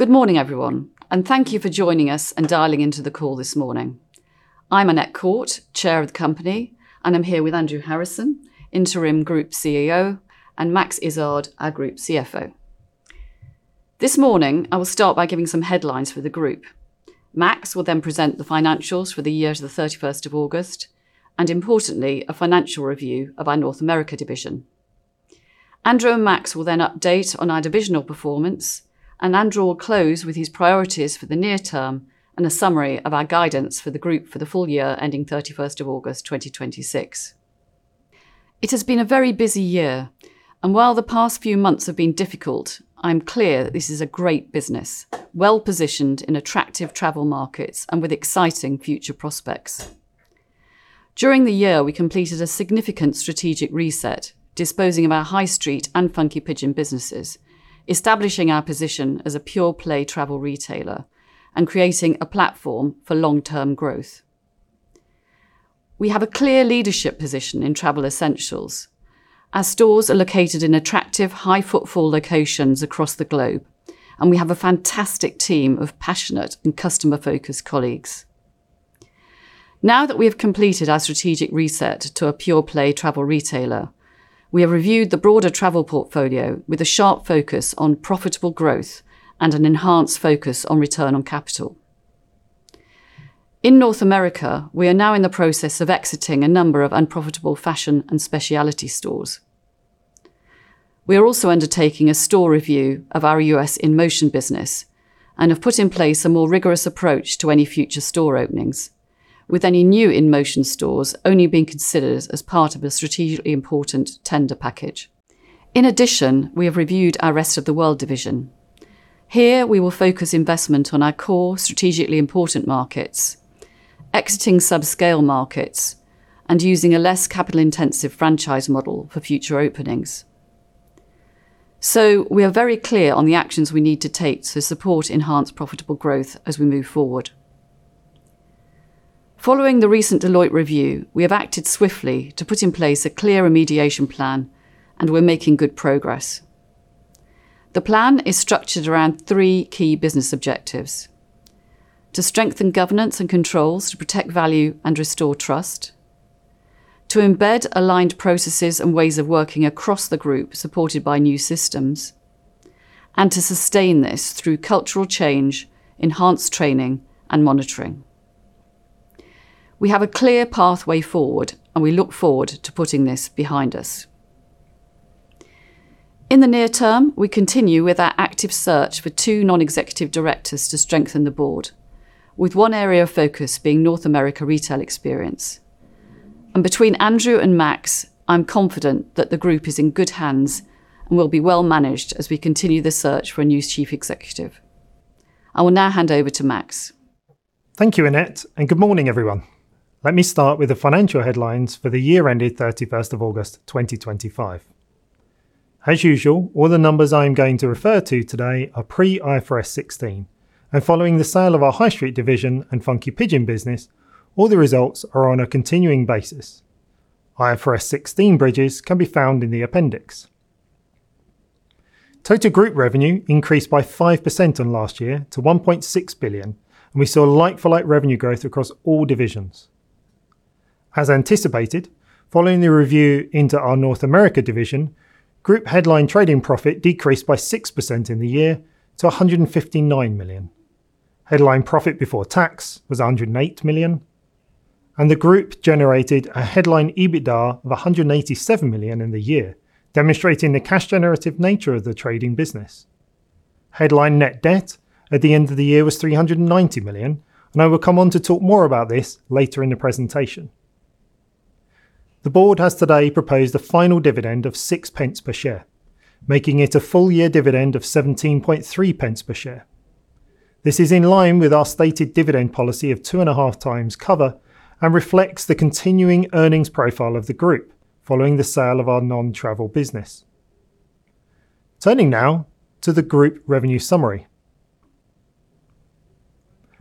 Good morning, everyone, and thank you for joining us and dialing into the call this morning. I'm Annette Court, Chair of the Company, and I'm here with Andrew Harrison, Interim Group CEO, and Max Izzard, our Group CFO. This morning, I will start by giving some headlines for the Group. Max will then present the financials for the year to the 31st of August, and importantly, a financial review of our North America division. Andrew and Max will then update on our divisional performance, and Andrew will close with his priorities for the near term and a summary of our guidance for the Group for the full year ending 31st of August 2026. It has been a very busy year, and while the past few months have been difficult, I'm clear that this is a great business, well positioned in attractive travel markets and with exciting future prospects. During the year, we completed a significant strategic reset, disposing of our High Street and Funky Pigeon businesses, establishing our position as a pure-play travel retailer, and creating a platform for long-term growth. We have a clear leadership position in Travel Essentials, as stores are located in attractive, high-footfall locations across the globe, and we have a fantastic team of passionate and customer-focused colleagues. Now that we have completed our strategic reset to a pure-play travel retailer, we have reviewed the broader travel portfolio with a sharp focus on profitable growth and an enhanced focus on return on capital. In North America, we are now in the process of exiting a number of unprofitable fashion and specialty stores. We are also undertaking a store review of our U.S. InMotion business and have put in place a more rigorous approach to any future store openings, with any new InMotion stores only being considered as part of a strategically important tender package. In addition, we have reviewed our Rest of the World division. Here, we will focus investment on our core strategically important markets, exiting subscale markets, and using a less capital-intensive franchise model for future openings. So, we are very clear on the actions we need to take to support enhanced profitable growth as we move forward. Following the recent Deloitte review, we have acted swiftly to put in place a clear remediation plan, and we're making good progress. The plan is structured around three key business objectives: to strengthen governance and controls to protect value and restore trust, to embed aligned processes and ways of working across the Group supported by new systems, and to sustain this through cultural change, enhanced training, and monitoring. We have a clear pathway forward, and we look forward to putting this behind us. In the near term, we continue with our active search for two non-executive directors to strengthen the Board, with one area of focus being North America retail experience. And between Andrew and Max, I'm confident that the Group is in good hands and will be well managed as we continue the search for a new Chief Executive. I will now hand over to Max. Thank you, Annette, and good morning, everyone. Let me start with the financial headlines for the year ending 31st of August 2025. As usual, all the numbers I am going to refer to today are pre-IFRS 16, and following the sale of our High Street division and Funky Pigeon business, all the results are on a continuing basis. IFRS 16 bridges can be found in the appendix. Total Group revenue increased by 5% in last year to 1.6 billion, and we saw like-for-like revenue growth across all divisions. As anticipated, following the review into our North America division, Group headline trading profit decreased by 6% in the year to 159 million. Headline profit before tax was 108 million, and the Group generated a headline EBITDA of 187 million in the year, demonstrating the cash-generative nature of the trading business. Headline net debt at the end of the year was 390 million, and I will come on to talk more about this later in the presentation. The Board has today proposed a final dividend of 0.06 per share, making it a full-year dividend of 0.173 per share. This is in line with our stated dividend policy of two and a half times cover and reflects the continuing earnings profile of the Group following the sale of our non-travel business. Turning now to the Group revenue summary.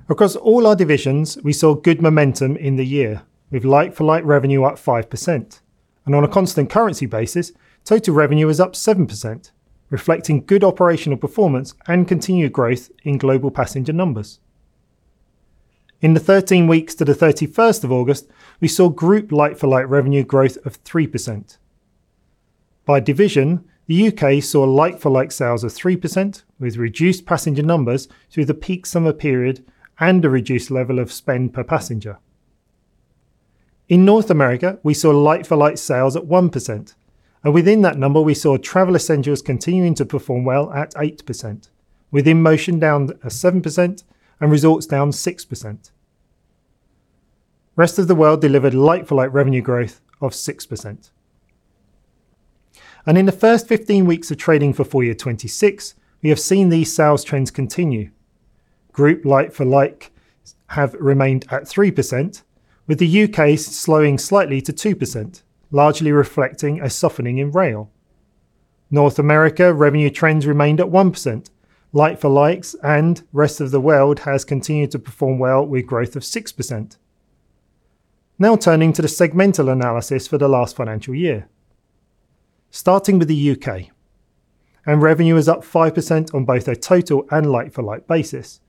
Across all our divisions, we saw good momentum in the year, with like-for-like revenue up 5%, and on a constant currency basis, total revenue is up 7%, reflecting good operational performance and continued growth in global passenger numbers. In the 13 weeks to the 31st of August, we saw Group like-for-like revenue growth of 3%. By division, the U.K. saw like-for-like sales of 3% with reduced passenger numbers through the peak summer period and a reduced level of spend per passenger. In North America, we saw like-for-like sales at 1%, and within that number, we saw Travel Essentials continuing to perform well at 8%, with InMotion down 7% and Resorts down 6%. Rest of the World delivered like-for-like revenue growth of 6%. And in the first 15 weeks of trading for full year 2026, we have seen these sales trends continue. Group like-for-like have remained at 3%, with the U.K. slowing slightly to 2%, largely reflecting a softening in Rail. North America revenue trends remained at 1%, like-for-likes, and Rest of the World has continued to perform well with growth of 6%. Now turning to the segmental analysis for the last financial year. Starting with the U.K., and revenue is up 5% on both a total and like-for-like basis,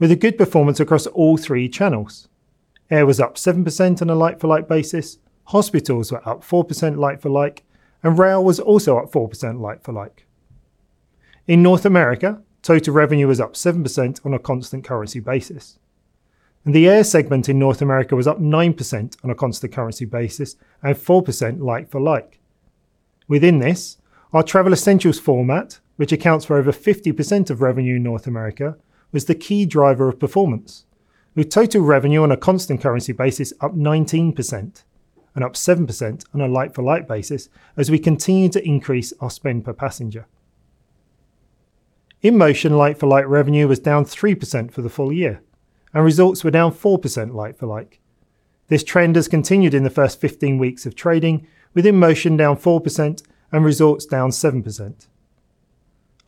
with a good performance across all three channels. Air was up 7% on a like-for-like basis, Hospitals were up 4% like-for-like, and Rail was also up 4% like-for-like. In North America, total revenue is up 7% on a constant currency basis. And the Air segment in North America was up 9% on a constant currency basis and 4% like-for-like. Within this, our Travel Essentials format, which accounts for over 50% of revenue in North America, was the key driver of performance, with total revenue on a constant currency basis up 19% and up 7% on a like-for-like basis as we continue to increase our spend per passenger. InMotion like-for-like revenue was down 3% for the full year, and results were down 4% like-for-like. This trend has continued in the first 15 weeks of trading, with InMotion down 4% and Resorts down 7%.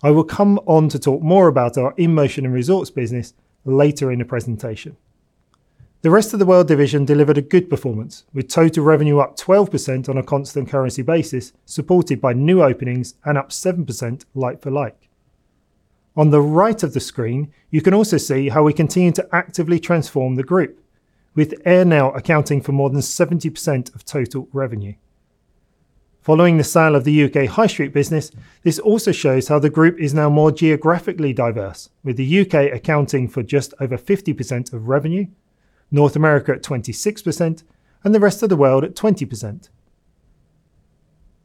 I will come on to talk more about our InMotion and Retail business later in the presentation. The Rest of the World division delivered a good performance, with total revenue up 12% on a constant currency basis supported by new openings and up 7% like-for-like. On the right of the screen, you can also see how we continue to actively transform the Group, with Air now accounting for more than 70% of total revenue. Following the sale of the U.K. High Street business, this also shows how the Group is now more geographically diverse, with the U.K. accounting for just over 50% of revenue, North America at 26%, and the Rest of the World at 20%.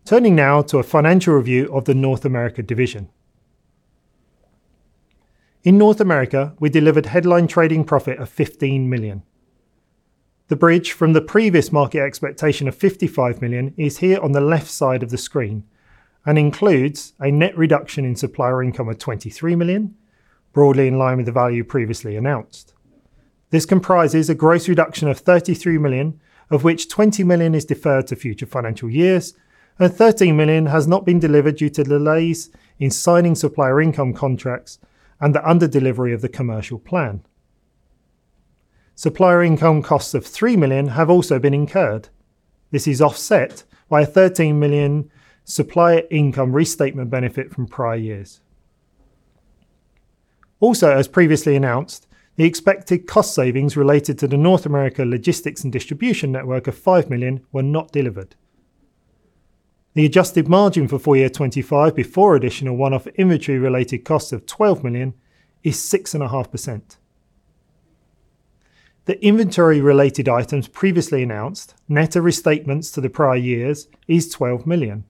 Turning now to a financial review of the North America division. In North America, we delivered headline trading profit of 15 million. The bridge from the previous market expectation of 55 million is here on the left side of the screen and includes a net reduction in supplier income of 23 million, broadly in line with the value previously announced. This comprises a gross reduction of 33 million, of which 20 million is deferred to future financial years, and 13 million has not been delivered due to delays in signing supplier income contracts and the underdelivery of the commercial plan. Supplier income costs of 3 million have also been incurred. This is offset by a 13 million supplier income restatement benefit from prior years. Also, as previously announced, the expected cost savings related to the North America logistics and distribution network of 5 million were not delivered. The adjusted margin for full year 2025 before additional one-off inventory-related costs of 12 million is 6.5%. The inventory-related items previously announced, net of restatements to the prior years, is 12 million.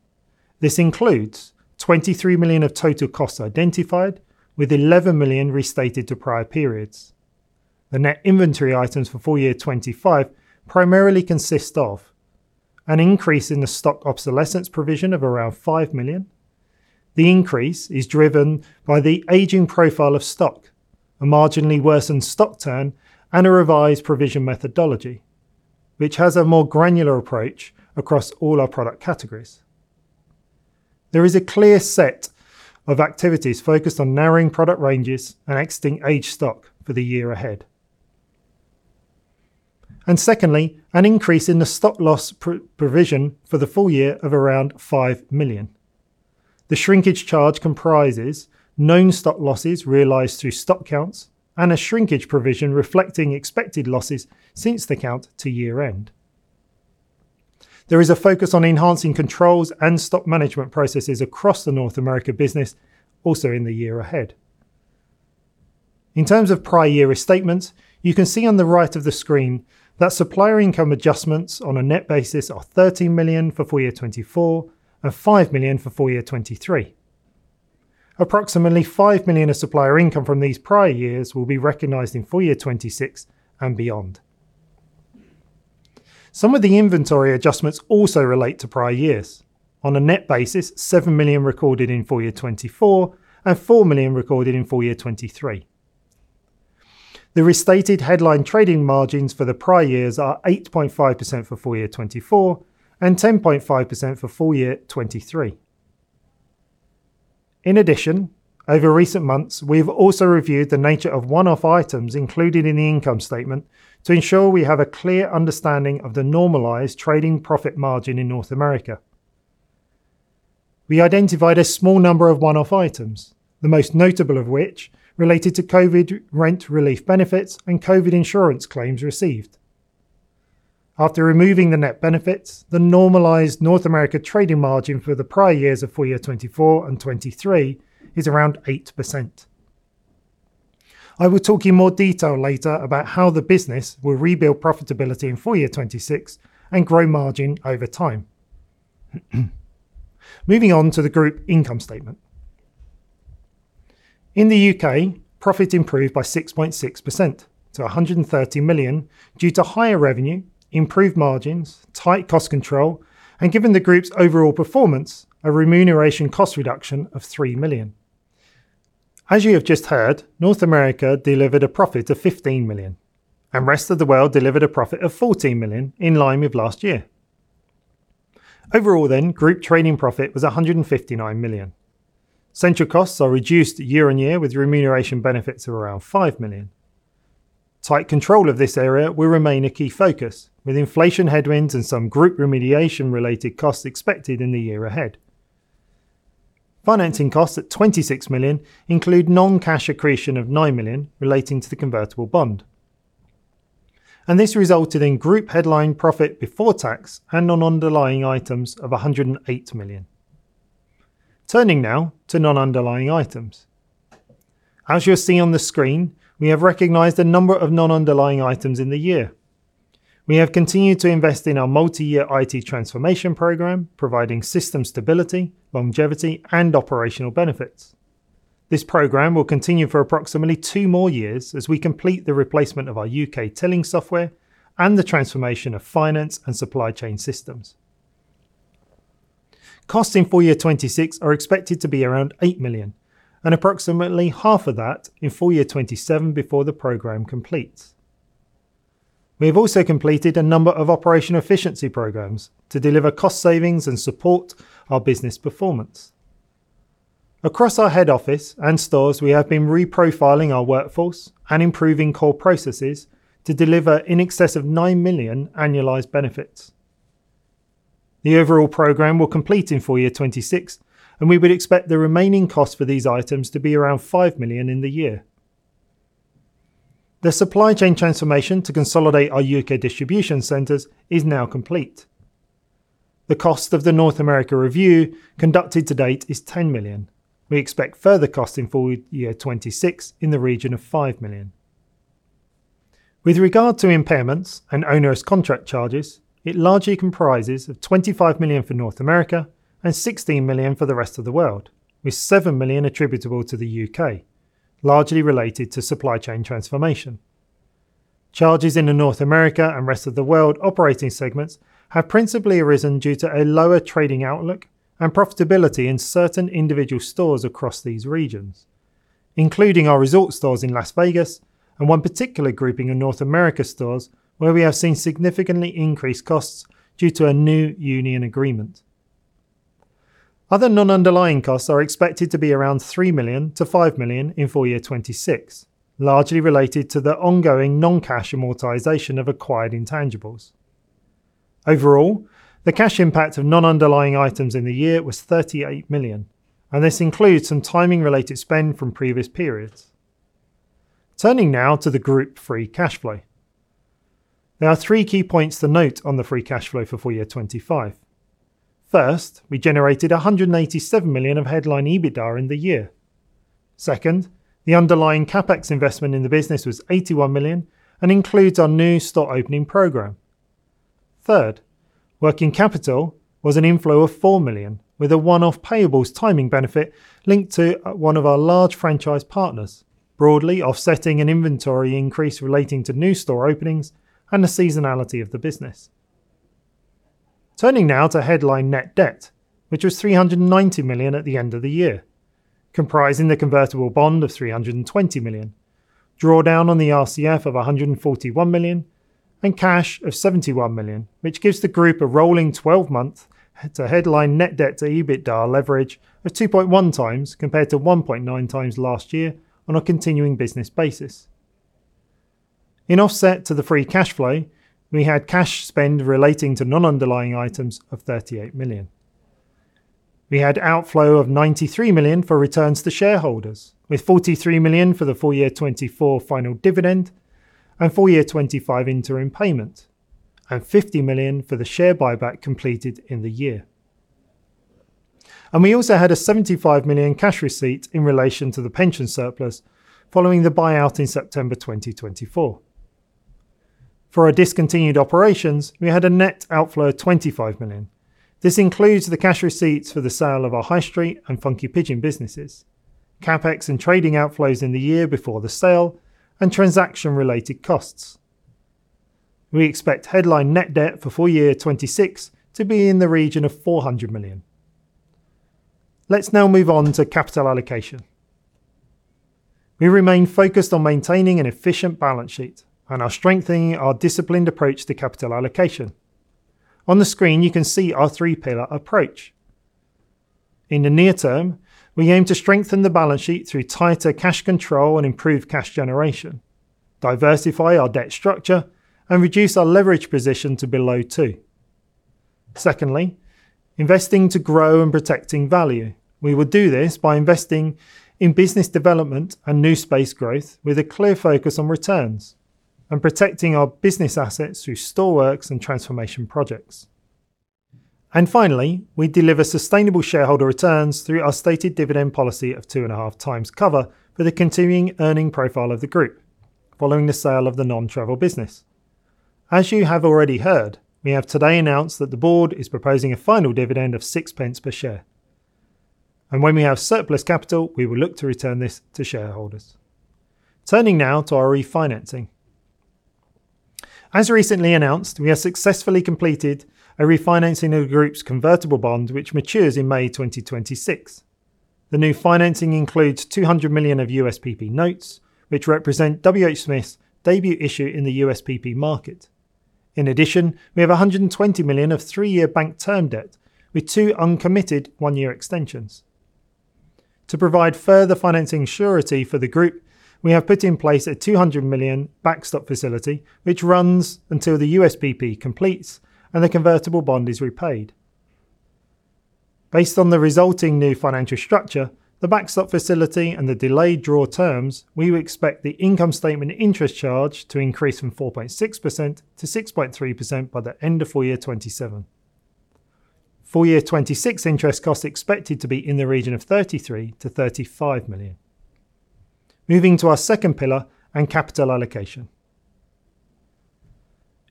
This includes 23 million of total costs identified, with 11 million restated to prior periods. The net inventory items for full year 25 primarily consist of an increase in the stock obsolescence provision of around 5 million. The increase is driven by the aging profile of stock, a marginally worsened stock turn, and a revised provision methodology, which has a more granular approach across all our product categories. There is a clear set of activities focused on narrowing product ranges and extinguish aged stock for the year ahead. And secondly, an increase in the stock loss provision for the full year of around 5 million. The shrinkage charge comprises known stock losses realized through stock counts and a shrinkage provision reflecting expected losses since the count to year-end. There is a focus on enhancing controls and stock management processes across the North America business also in the year ahead. In terms of prior year restatements, you can see on the right of the screen that supplier income adjustments on a net basis are 13 million for full year 2024 and 5 million for full year 2023. Approximately 5 million of supplier income from these prior years will be recognized in full year 2026 and beyond. Some of the inventory adjustments also relate to prior years. On a net basis, 7 million recorded in full year 2024 and 4 million recorded in full year 2023. The restated headline trading margins for the prior years are 8.5% for full year 2024 and 10.5% for full year 2023. In addition, over recent months, we have also reviewed the nature of one-off items included in the income statement to ensure we have a clear understanding of the normalized trading profit margin in North America. We identified a small number of one-off items, the most notable of which related to COVID rent relief benefits and COVID insurance claims received. After removing the net benefits, the normalized North America trading margin for the prior years of full year 2024 and 2023 is around 8%. I will talk in more detail later about how the business will rebuild profitability in full year 2026 and grow margin over time. Moving on to the Group income statement. In the U.K., profit improved by 6.6% to 130 million due to higher revenue, improved margins, tight cost control, and given the Group's overall performance, a remuneration cost reduction of 3 million. As you have just heard, North America delivered a profit of 15 million, and the Rest of the World delivered a profit of 14 million in line with last year. Overall then, Group trading profit was 159 million. Central costs are reduced year on year with remuneration benefits of around 5 million. Tight control of this area will remain a key focus, with inflation headwinds and some Group remediation-related costs expected in the year ahead. Financing costs at 26 million include non-cash accretion of 9 million relating to the convertible bond. And this resulted in Group headline profit before tax and non-underlying items of 108 million. Turning now to non-underlying items. As you'll see on the screen, we have recognized a number of non-underlying items in the year. We have continued to invest in our multi-year IT transformation program, providing system stability, longevity, and operational benefits. This program will continue for approximately two more years as we complete the replacement of our U.K. till software and the transformation of finance and supply chain systems. Costs in full year 2026 are expected to be around 8 million, and approximately half of that in full year 2027 before the program completes. We have also completed a number of operational efficiency programs to deliver cost savings and support our business performance. Across our head office and stores, we have been reprofiling our workforce and improving core processes to deliver in excess of 9 million annualized benefits. The overall program will complete in full year 2026, and we would expect the remaining costs for these items to be around 5 million in the year. The supply chain transformation to consolidate our U.K. distribution centers is now complete. The cost of the North America review conducted to date is 10 million. We expect further costs in full year 2026 in the region of 5 million. With regard to impairments and onerous contract charges, it largely comprises of 25 million for North America and 16 million for the Rest of the World, with 7 million attributable to the U.K., largely related to supply chain transformation. Charges in the North America and Rest of the World operating segments have principally arisen due to a lower trading outlook and profitability in certain individual stores across these regions, including our Resort stores in Las Vegas and one particular grouping of North America stores where we have seen significantly increased costs due to a new union agreement. Other non-underlying costs are expected to be around 3 million-5 million in full year 2026, largely related to the ongoing non-cash amortization of acquired intangibles. Overall, the cash impact of non-underlying items in the year was 38 million, and this includes some timing-related spend from previous periods. Turning now to the Group free cash flow. There are three key points to note on the free cash flow for full year 2025. First, we generated 187 million of headline EBITDA in the year. Second, the underlying CapEx investment in the business was 81 million and includes our new store opening program. Third, working capital was an inflow of 4 million with a one-off payables timing benefit linked to one of our large franchise partners, broadly offsetting an inventory increase relating to new store openings and the seasonality of the business. Turning now to headline net debt, which was 390 million at the end of the year, comprising the convertible bond of 320 million, drawdown on the RCF of 141 million, and cash of 71 million, which gives the Group a rolling 12-month headline net debt to EBITDA leverage of 2.1x compared to 1.9x last year on a continuing business basis. In offset to the free cash flow, we had cash spend relating to non-underlying items of 38 million. We had outflow of 93 million for returns to shareholders, with 43 million for the full year 2024 final dividend and full year 2025 interim payment, and 50 million for the share buyback completed in the year, and we also had a 75 million cash receipt in relation to the pension surplus following the buyout in September 2024. For our discontinued operations, we had a net outflow of 25 million. This includes the cash receipts for the sale of our High Street and Funky Pigeon businesses, CapEx and trading outflows in the year before the sale, and transaction-related costs. We expect headline net debt for full year 2026 to be in the region of 400 million. Let's now move on to capital allocation. We remain focused on maintaining an efficient balance sheet and are strengthening our disciplined approach to capital allocation. On the screen, you can see our three-pillar approach. In the near term, we aim to strengthen the balance sheet through tighter cash control and improved cash generation, diversify our debt structure, and reduce our leverage position to below two. Secondly, investing to grow and protecting value. We will do this by investing in business development and new space growth with a clear focus on returns and protecting our business assets through store works and transformation projects. And finally, we deliver sustainable shareholder returns through our stated dividend policy of two and a half times cover for the continuing earning profile of the Group following the sale of the non-travel business. As you have already heard, we have today announced that the Board is proposing a final dividend of 0.06 per share. And when we have surplus capital, we will look to return this to shareholders. Turning now to our refinancing. As recently announced, we have successfully completed a refinancing of the Group's convertible bond, which matures in May 2026. The new financing includes 200 million of USPP notes, which represent WH Smith's debut issue in the USPP market. In addition, we have 120 million of three-year bank term debt with two uncommitted one-year extensions. To provide further financing surety for the Group, we have put in place a 200 million backstop facility, which runs until the USPP completes and the convertible bond is repaid. Based on the resulting new financial structure, the backstop facility and the delayed draw terms, we expect the income statement interest charge to increase from 4.6% to 6.3% by the end of full year 2027. Full year 2026 interest costs expected to be in the region of 33 million-35 million. Moving to our second pillar and capital allocation.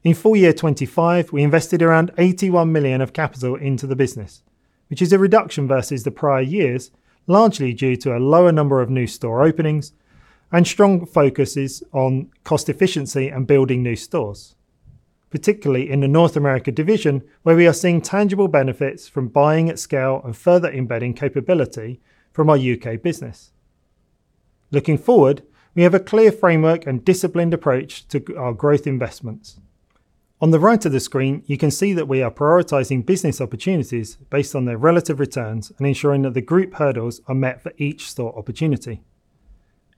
In full year 2025, we invested around 81 million of capital into the business, which is a reduction versus the prior years, largely due to a lower number of new store openings and strong focuses on cost efficiency and building new stores, particularly in the North America division, where we are seeing tangible benefits from buying at scale and further embedding capability from our U.K. business. Looking forward, we have a clear framework and disciplined approach to our growth investments. On the right of the screen, you can see that we are prioritizing business opportunities based on their relative returns and ensuring that the Group hurdles are met for each store opportunity.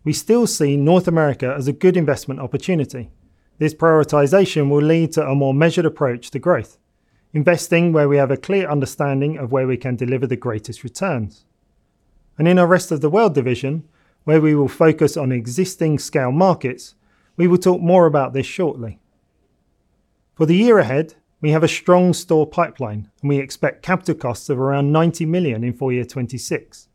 We still see North America as a good investment opportunity. This prioritization will lead to a more measured approach to growth, investing where we have a clear understanding of where we can deliver the greatest returns. And in our Rest of the World division, where we will focus on existing scale markets, we will talk more about this shortly. For the year ahead, we have a strong store pipeline, and we expect capital costs of around 90 million in full year 2026.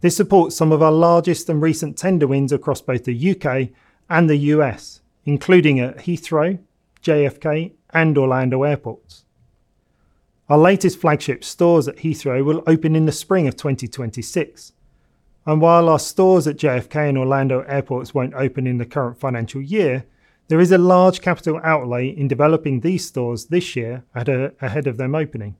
This supports some of our largest and recent tender wins across both the U.K. and the U.S., including at Heathrow, JFK, and Orlando airports. Our latest flagship stores at Heathrow will open in the spring of 2026. And while our stores at JFK and Orlando airports won't open in the current financial year, there is a large capital outlay in developing these stores this year ahead of them opening.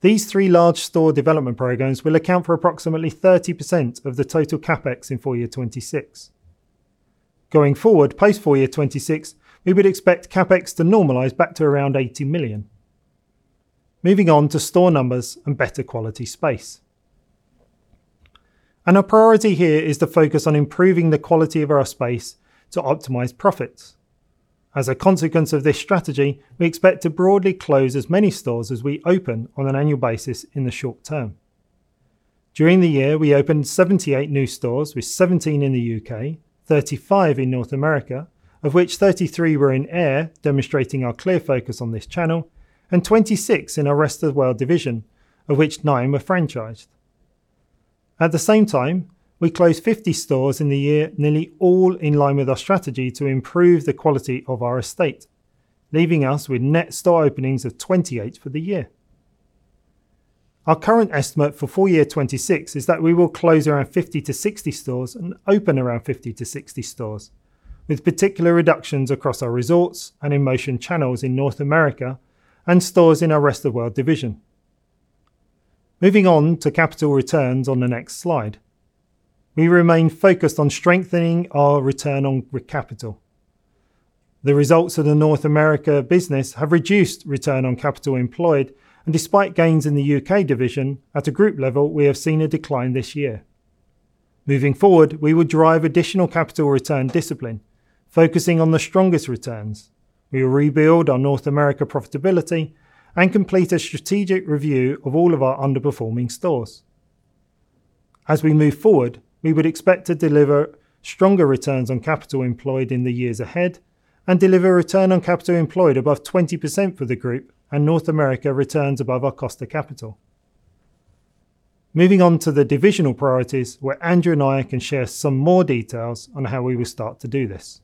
These three large store development programs will account for approximately 30% of the total CapEx in full year 2026. Going forward, post full year 2026, we would expect CapEx to normalize back to around 80 million. Moving on to store numbers and better quality space. Our priority here is to focus on improving the quality of our space to optimize profits. As a consequence of this strategy, we expect to broadly close as many stores as we open on an annual basis in the short term. During the year, we opened 78 new stores, with 17 in the U.K., 35 in North America, of which 33 were in Air, demonstrating our clear focus on this channel, and 26 in our Rest of the World division, of which nine were franchised. At the same time, we closed 50 stores in the year, nearly all in line with our strategy to improve the quality of our estate, leaving us with net store openings of 28 for the year. Our current estimate for full year 2026 is that we will close around 50-60 stores and open around 50-60 stores, with particular reductions across our Resorts and InMotion channels in North America and stores in our Rest of the World division. Moving on to capital returns on the next slide. We remain focused on strengthening our return on capital. The results of the North America business have reduced return on capital employed, and despite gains in the U.K. division, at a Group level, we have seen a decline this year. Moving forward, we will drive additional capital return discipline, focusing on the strongest returns. We will rebuild our North America profitability and complete a strategic review of all of our underperforming stores. As we move forward, we would expect to deliver stronger returns on capital employed in the years ahead and deliver return on capital employed above 20% for the Group and North America returns above our cost of capital. Moving on to the divisional priorities, where Andrew and I can share some more details on how we will start to do this.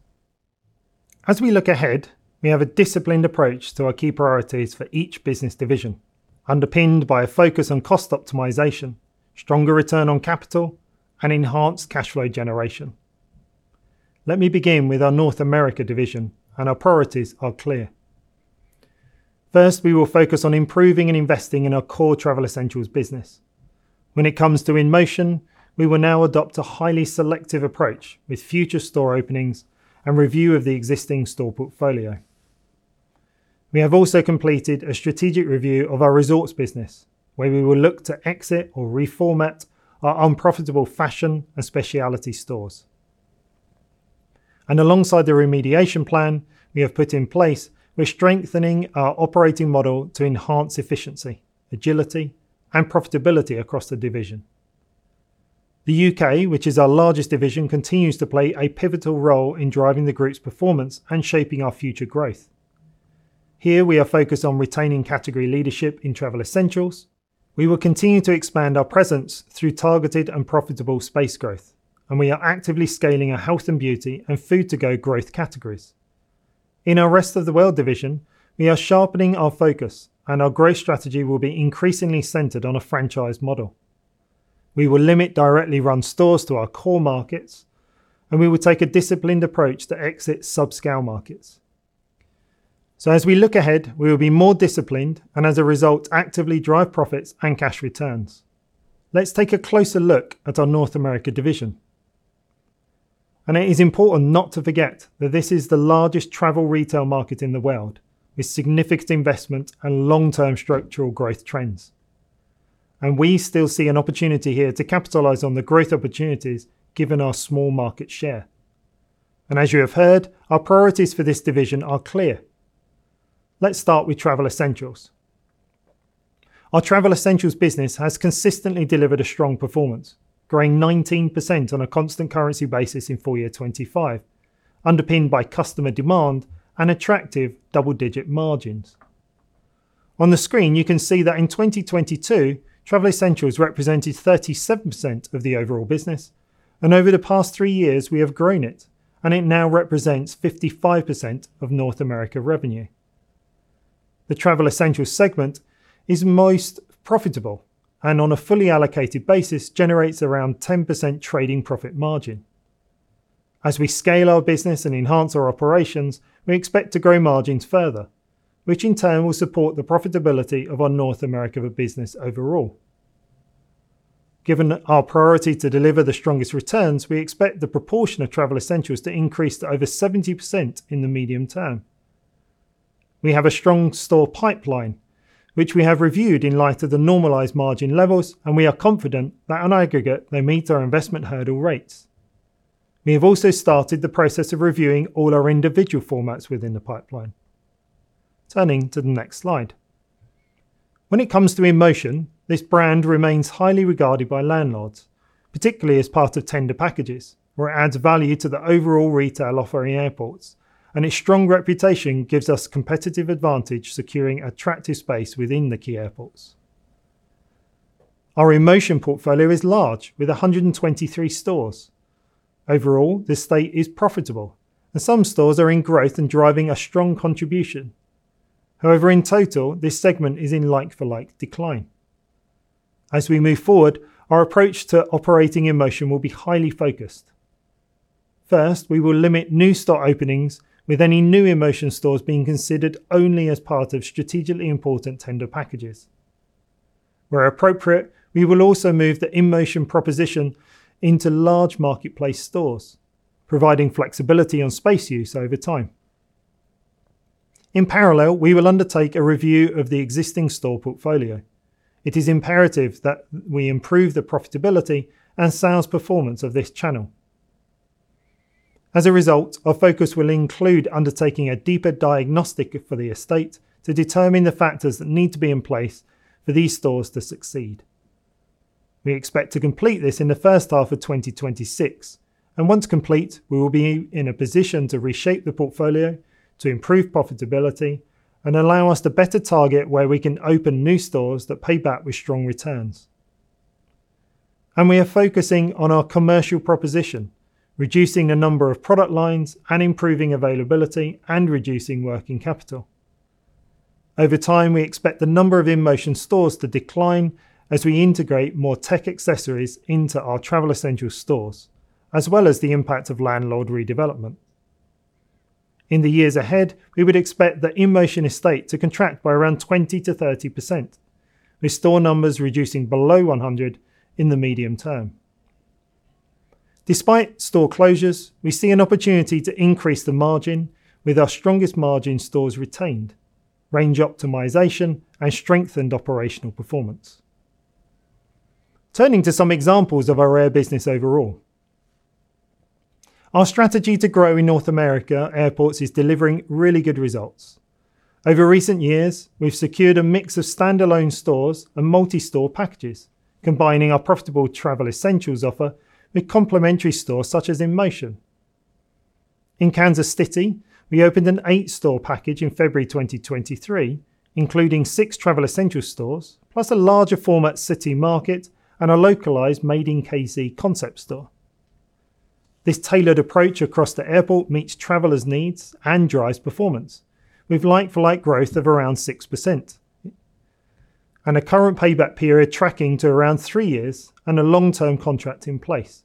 As we look ahead, we have a disciplined approach to our key priorities for each business division, underpinned by a focus on cost optimization, stronger return on capital, and enhanced cash flow generation. Let me begin with our North America division, and our priorities are clear. First, we will focus on improving and investing in our core Travel Essentials business. When it comes to InMotion, we will now adopt a highly selective approach with future store openings and review of the existing store portfolio. We have also completed a strategic review of our Resorts business, where we will look to exit or reformat our unprofitable fashion and specialty stores, and alongside the remediation plan we have put in place, we're strengthening our operating model to enhance efficiency, agility, and profitability across the division. The U.K., which is our largest division, continues to play a pivotal role in driving the Group's performance and shaping our future growth. Here, we are focused on retaining category leadership in Travel Essentials. We will continue to expand our presence through targeted and profitable space growth, and we are actively scaling our Health & Beauty and food-to-go growth categories. In our Rest of the World division, we are sharpening our focus, and our growth strategy will be increasingly centered on a franchise model. We will limit directly run stores to our core markets, and we will take a disciplined approach to exit sub-scale markets. So as we look ahead, we will be more disciplined and, as a result, actively drive profits and cash returns. Let's take a closer look at our North America division. And it is important not to forget that this is the largest travel retail market in the world, with significant investment and long-term structural growth trends. And we still see an opportunity here to capitalize on the growth opportunities given our small market share. And as you have heard, our priorities for this division are clear. Let's start with Travel Essentials. Our Travel Essentials business has consistently delivered a strong performance, growing 19% on a constant currency basis in full year 2025, underpinned by customer demand and attractive double-digit margins. On the screen, you can see that in 2022, Travel Essentials represented 37% of the overall business, and over the past three years, we have grown it, and it now represents 55% of North America revenue. The Travel Essentials segment is most profitable and, on a fully allocated basis, generates around 10% trading profit margin. As we scale our business and enhance our operations, we expect to grow margins further, which in turn will support the profitability of our North America business overall. Given our priority to deliver the strongest returns, we expect the proportion of Travel Essentials to increase to over 70% in the medium term. We have a strong store pipeline, which we have reviewed in light of the normalized margin levels, and we are confident that on aggregate, they meet our investment hurdle rates. We have also started the process of reviewing all our individual formats within the pipeline. Turning to the next slide. When it comes to InMotion, this brand remains highly regarded by landlords, particularly as part of tender packages, where it adds value to the overall retail offering to airports, and its strong reputation gives us competitive advantage in securing attractive space within the key airports. Our InMotion portfolio is large, with 123 stores. Overall, this estate is profitable, and some stores are in growth and driving a strong contribution. However, in total, this segment is in like-for-like decline. As we move forward, our approach to operating InMotion will be highly focused. First, we will limit new store openings, with any new InMotion stores being considered only as part of strategically important tender packages. Where appropriate, we will also move the InMotion proposition into large marketplace stores, providing flexibility on space use over time. In parallel, we will undertake a review of the existing store portfolio. It is imperative that we improve the profitability and sales performance of this channel. As a result, our focus will include undertaking a deeper diagnostic for the estate to determine the factors that need to be in place for these stores to succeed. We expect to complete this in the first half of 2026, and once complete, we will be in a position to reshape the portfolio to improve profitability and allow us to better target where we can open new stores that pay back with strong returns, and we are focusing on our commercial proposition, reducing the number of product lines and improving availability and reducing working capital. Over time, we expect the number of InMotion stores to decline as we integrate more tech accessories into our Travel Essentials stores, as well as the impact of landlord redevelopment. In the years ahead, we would expect the InMotion estate to contract by around 20%-30%, with store numbers reducing below 100 in the medium term. Despite store closures, we see an opportunity to increase the margin with our strongest margin stores retained, range optimization, and strengthened operational performance. Turning to some examples of our Travel business overall. Our strategy to grow in North America airports is delivering really good results. Over recent years, we've secured a mix of standalone stores and multi-store packages, combining our profitable Travel Essentials offer with complementary stores such as InMotion. In Kansas City, we opened an eight-store package in February 2023, including six Travel Essentials stores, plus a larger format City Market and a localized Made in KC concept store. This tailored approach across the airport meets travelers' needs and drives performance, with like-for-like growth of around 6%, and a current payback period tracking to around three years and a long-term contract in place.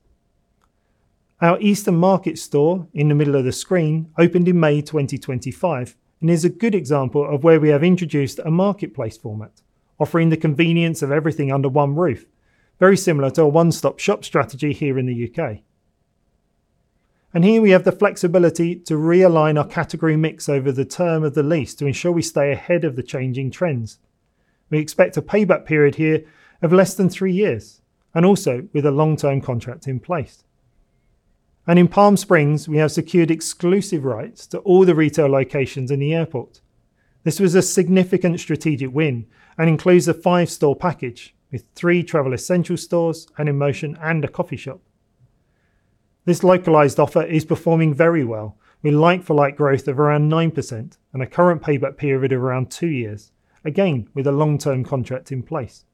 Our Eastern Market store in the middle of the screen opened in May 2025 and is a good example of where we have introduced a marketplace format, offering the convenience of everything under one roof, very similar to a one-stop-shop strategy here in the U.K., and here we have the flexibility to realign our category mix over the term of the lease to ensure we stay ahead of the changing trends. We expect a payback period here of less than three years and also with a long-term contract in place. And in Palm Springs, we have secured exclusive rights to all the retail locations in the airport. This was a significant strategic win and includes a five-store package with three Travel Essentials stores, an InMotion, and a coffee shop. This localized offer is performing very well with like-for-like growth of around 9% and a current payback period of around two years, again with a long-term contract in place.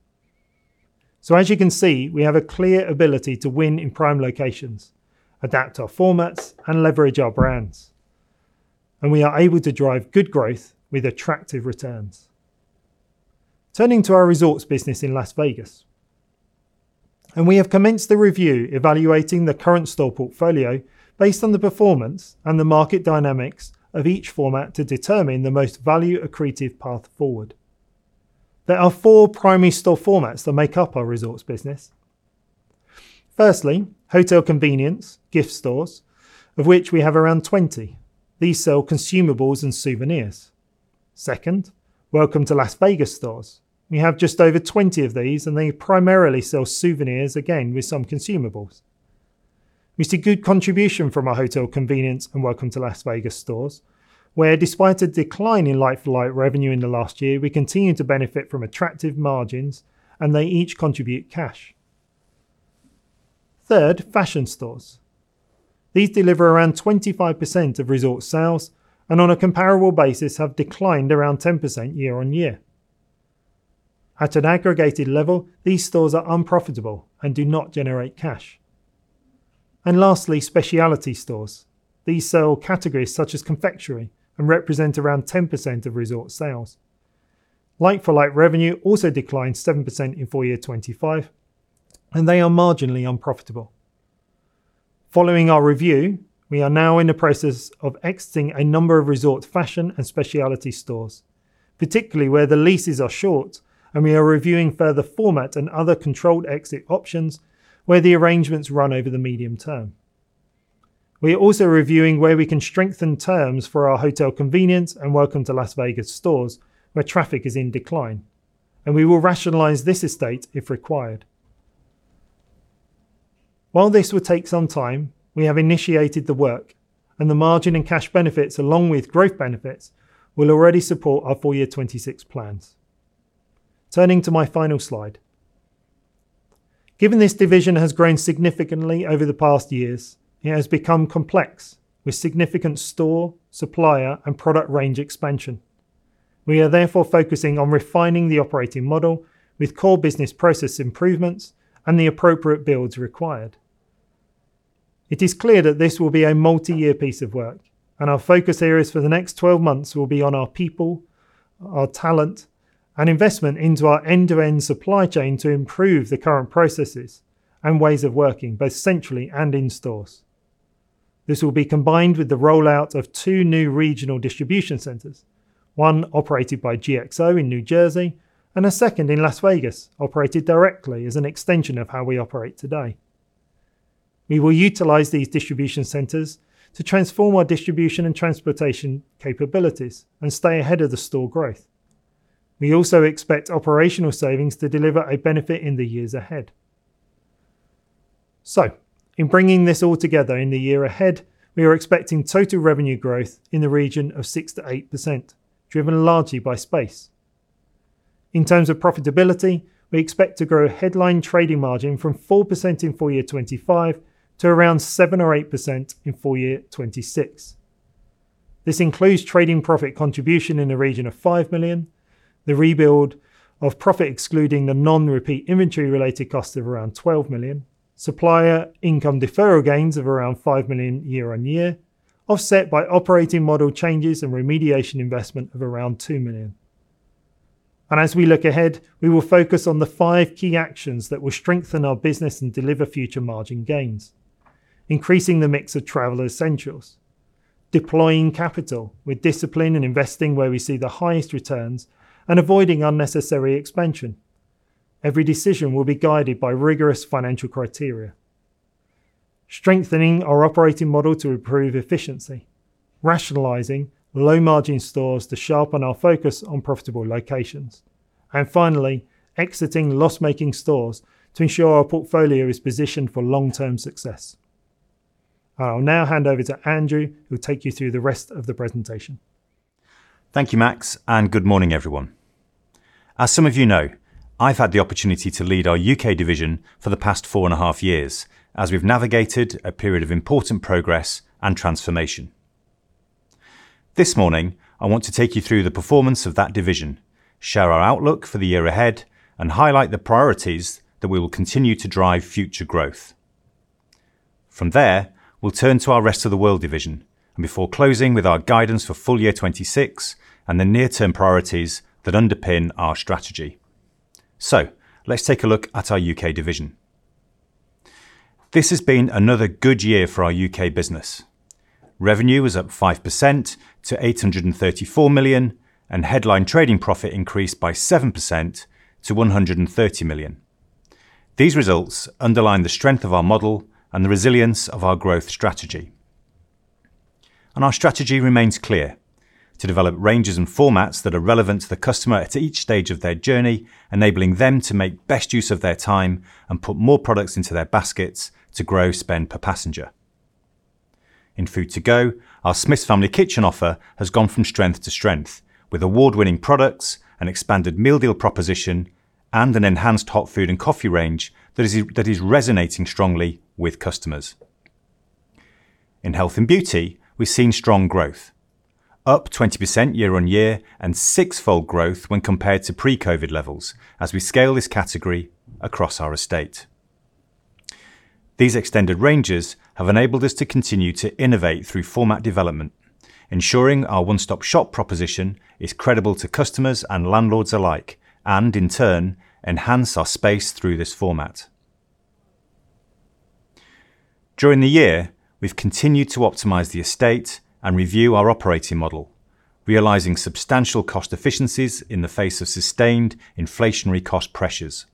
So as you can see, we have a clear ability to win in prime locations, adapt our formats, and leverage our brands. And we are able to drive good growth with attractive returns. Turning to our Resorts business in Las Vegas. We have commenced the review evaluating the current store portfolio based on the performance and the market dynamics of each format to determine the most value-accretive path forward. There are four primary store formats that make up our Resorts business. Firstly, hotel convenience gift stores, of which we have around 20. These sell consumables and souvenirs. Second, Welcome to Las Vegas stores. We have just over 20 of these, and they primarily sell souvenirs, again with some consumables. We see good contribution from our hotel convenience and Welcome to Las Vegas stores, where despite a decline in like-for-like revenue in the last year, we continue to benefit from attractive margins, and they each contribute cash. Third, fashion stores. These deliver around 25% of Resort sales and on a comparable basis have declined around 10% year on year. At an aggregated level, these stores are unprofitable and do not generate cash. And lastly, specialty stores. These sell categories such as confectionery and represent around 10% of Resort sales. Like-for-like revenue also declined 7% in full year 2025, and they are marginally unprofitable. Following our review, we are now in the process of exiting a number of Resort fashion and specialty stores, particularly where the leases are short, and we are reviewing further format and other controlled exit options where the arrangements run over the medium term. We are also reviewing where we can strengthen terms for our hotel convenience and Welcome to Las Vegas stores, where traffic is in decline, and we will rationalize this estate if required. While this will take some time, we have initiated the work, and the margin and cash benefits, along with growth benefits, will already support our full year 2026 plans. Turning to my final slide. Given this division has grown significantly over the past years, it has become complex with significant store, supplier, and product range expansion. We are therefore focusing on refining the operating model with core business process improvements and the appropriate builds required. It is clear that this will be a multi-year piece of work, and our focus areas for the next 12 months will be on our people, our talent, and investment into our end-to-end supply chain to improve the current processes and ways of working both centrally and in stores. This will be combined with the rollout of two new regional distribution centers, one operated by GXO in New Jersey and a second in Las Vegas, operated directly as an extension of how we operate today. We will utilize these distribution centers to transform our distribution and transportation capabilities and stay ahead of the store growth. We also expect operational savings to deliver a benefit in the years ahead. So in bringing this all together in the year ahead, we are expecting total revenue growth in the region of 6%-8%, driven largely by space. In terms of profitability, we expect to grow a headline trading margin from 4% in full year 2025 to around 7% or 8% in full year 2026. This includes trading profit contribution in the region of 5 million, the rebuild of profit excluding the non-repeat inventory-related cost of around 12 million, supplier income deferral gains of around 5 million year on year, offset by operating model changes and remediation investment of around 2 million. And as we look ahead, we will focus on the five key actions that will strengthen our business and deliver future margin gains, increasing the mix of Travel Essentials, deploying capital with discipline and investing where we see the highest returns, and avoiding unnecessary expansion. Every decision will be guided by rigorous financial criteria, strengthening our operating model to improve efficiency, rationalizing low-margin stores to sharpen our focus on profitable locations, and finally, exiting loss-making stores to ensure our portfolio is positioned for long-term success. I'll now hand over to Andrew, who will take you through the rest of the presentation. Thank you, Max, and good morning, everyone. As some of you know, I've had the opportunity to lead our U.K. division for the past four and a half years as we've navigated a period of important progress and transformation. This morning, I want to take you through the performance of that division, share our outlook for the year ahead, and highlight the priorities that we will continue to drive future growth. From there, we'll turn to our Rest of the World division, and before closing with our guidance for full year 2026 and the near-term priorities that underpin our strategy, so let's take a look at our U.K. division. This has been another good year for our U.K. business. Revenue was up 5% to 834 million, and headline trading profit increased by 7% to 130 million. These results underline the strength of our model and the resilience of our growth strategy. Our strategy remains clear to develop ranges and formats that are relevant to the customer at each stage of their journey, enabling them to make best use of their time and put more products into their baskets to grow spend per passenger. In food-to-go, our Smith's Family Kitchen offer has gone from strength to strength with award-winning products, an expanded meal deal proposition, and an enhanced hot food and coffee range that is resonating strongly with customers. In Health & Beauty, we've seen strong growth, up 20% year on year and six-fold growth when compared to pre-COVID levels as we scale this category across our estate. These extended ranges have enabled us to continue to innovate through format development, ensuring our one-stop-shop proposition is credible to customers and landlords alike and, in turn, enhance our space through this format. During the year, we've continued to optimize the estate and review our operating model, realizing substantial cost efficiencies in the face of sustained inflationary cost pressures.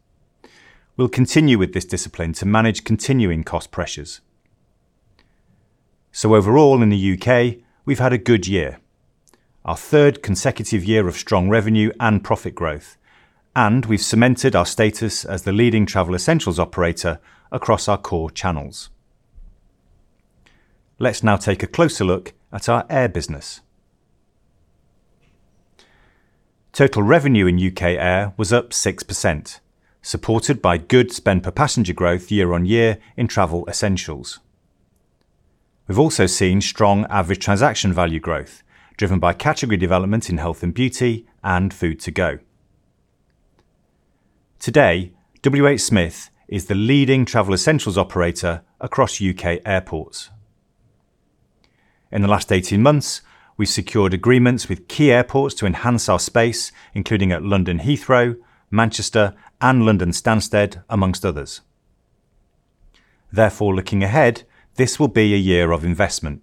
We'll continue with this discipline to manage continuing cost pressures. So overall, in the U.K., we've had a good year, our third consecutive year of strong revenue and profit growth, and we've cemented our status as the leading Travel Essentials operator across our core channels. Let's now take a closer look at our Air business. Total revenue in U.K. Air was up 6%, supported by good spend per passenger growth year on year in Travel Essentials. We've also seen strong average transaction value growth driven by category development in Health & Beauty and food-to-go. Today, WH Smith is the leading Travel Essentials operator across U.K. airports. In the last 18 months, we've secured agreements with key airports to enhance our space, including at London Heathrow, Manchester, and London Stansted, among others. Therefore, looking ahead, this will be a year of investment.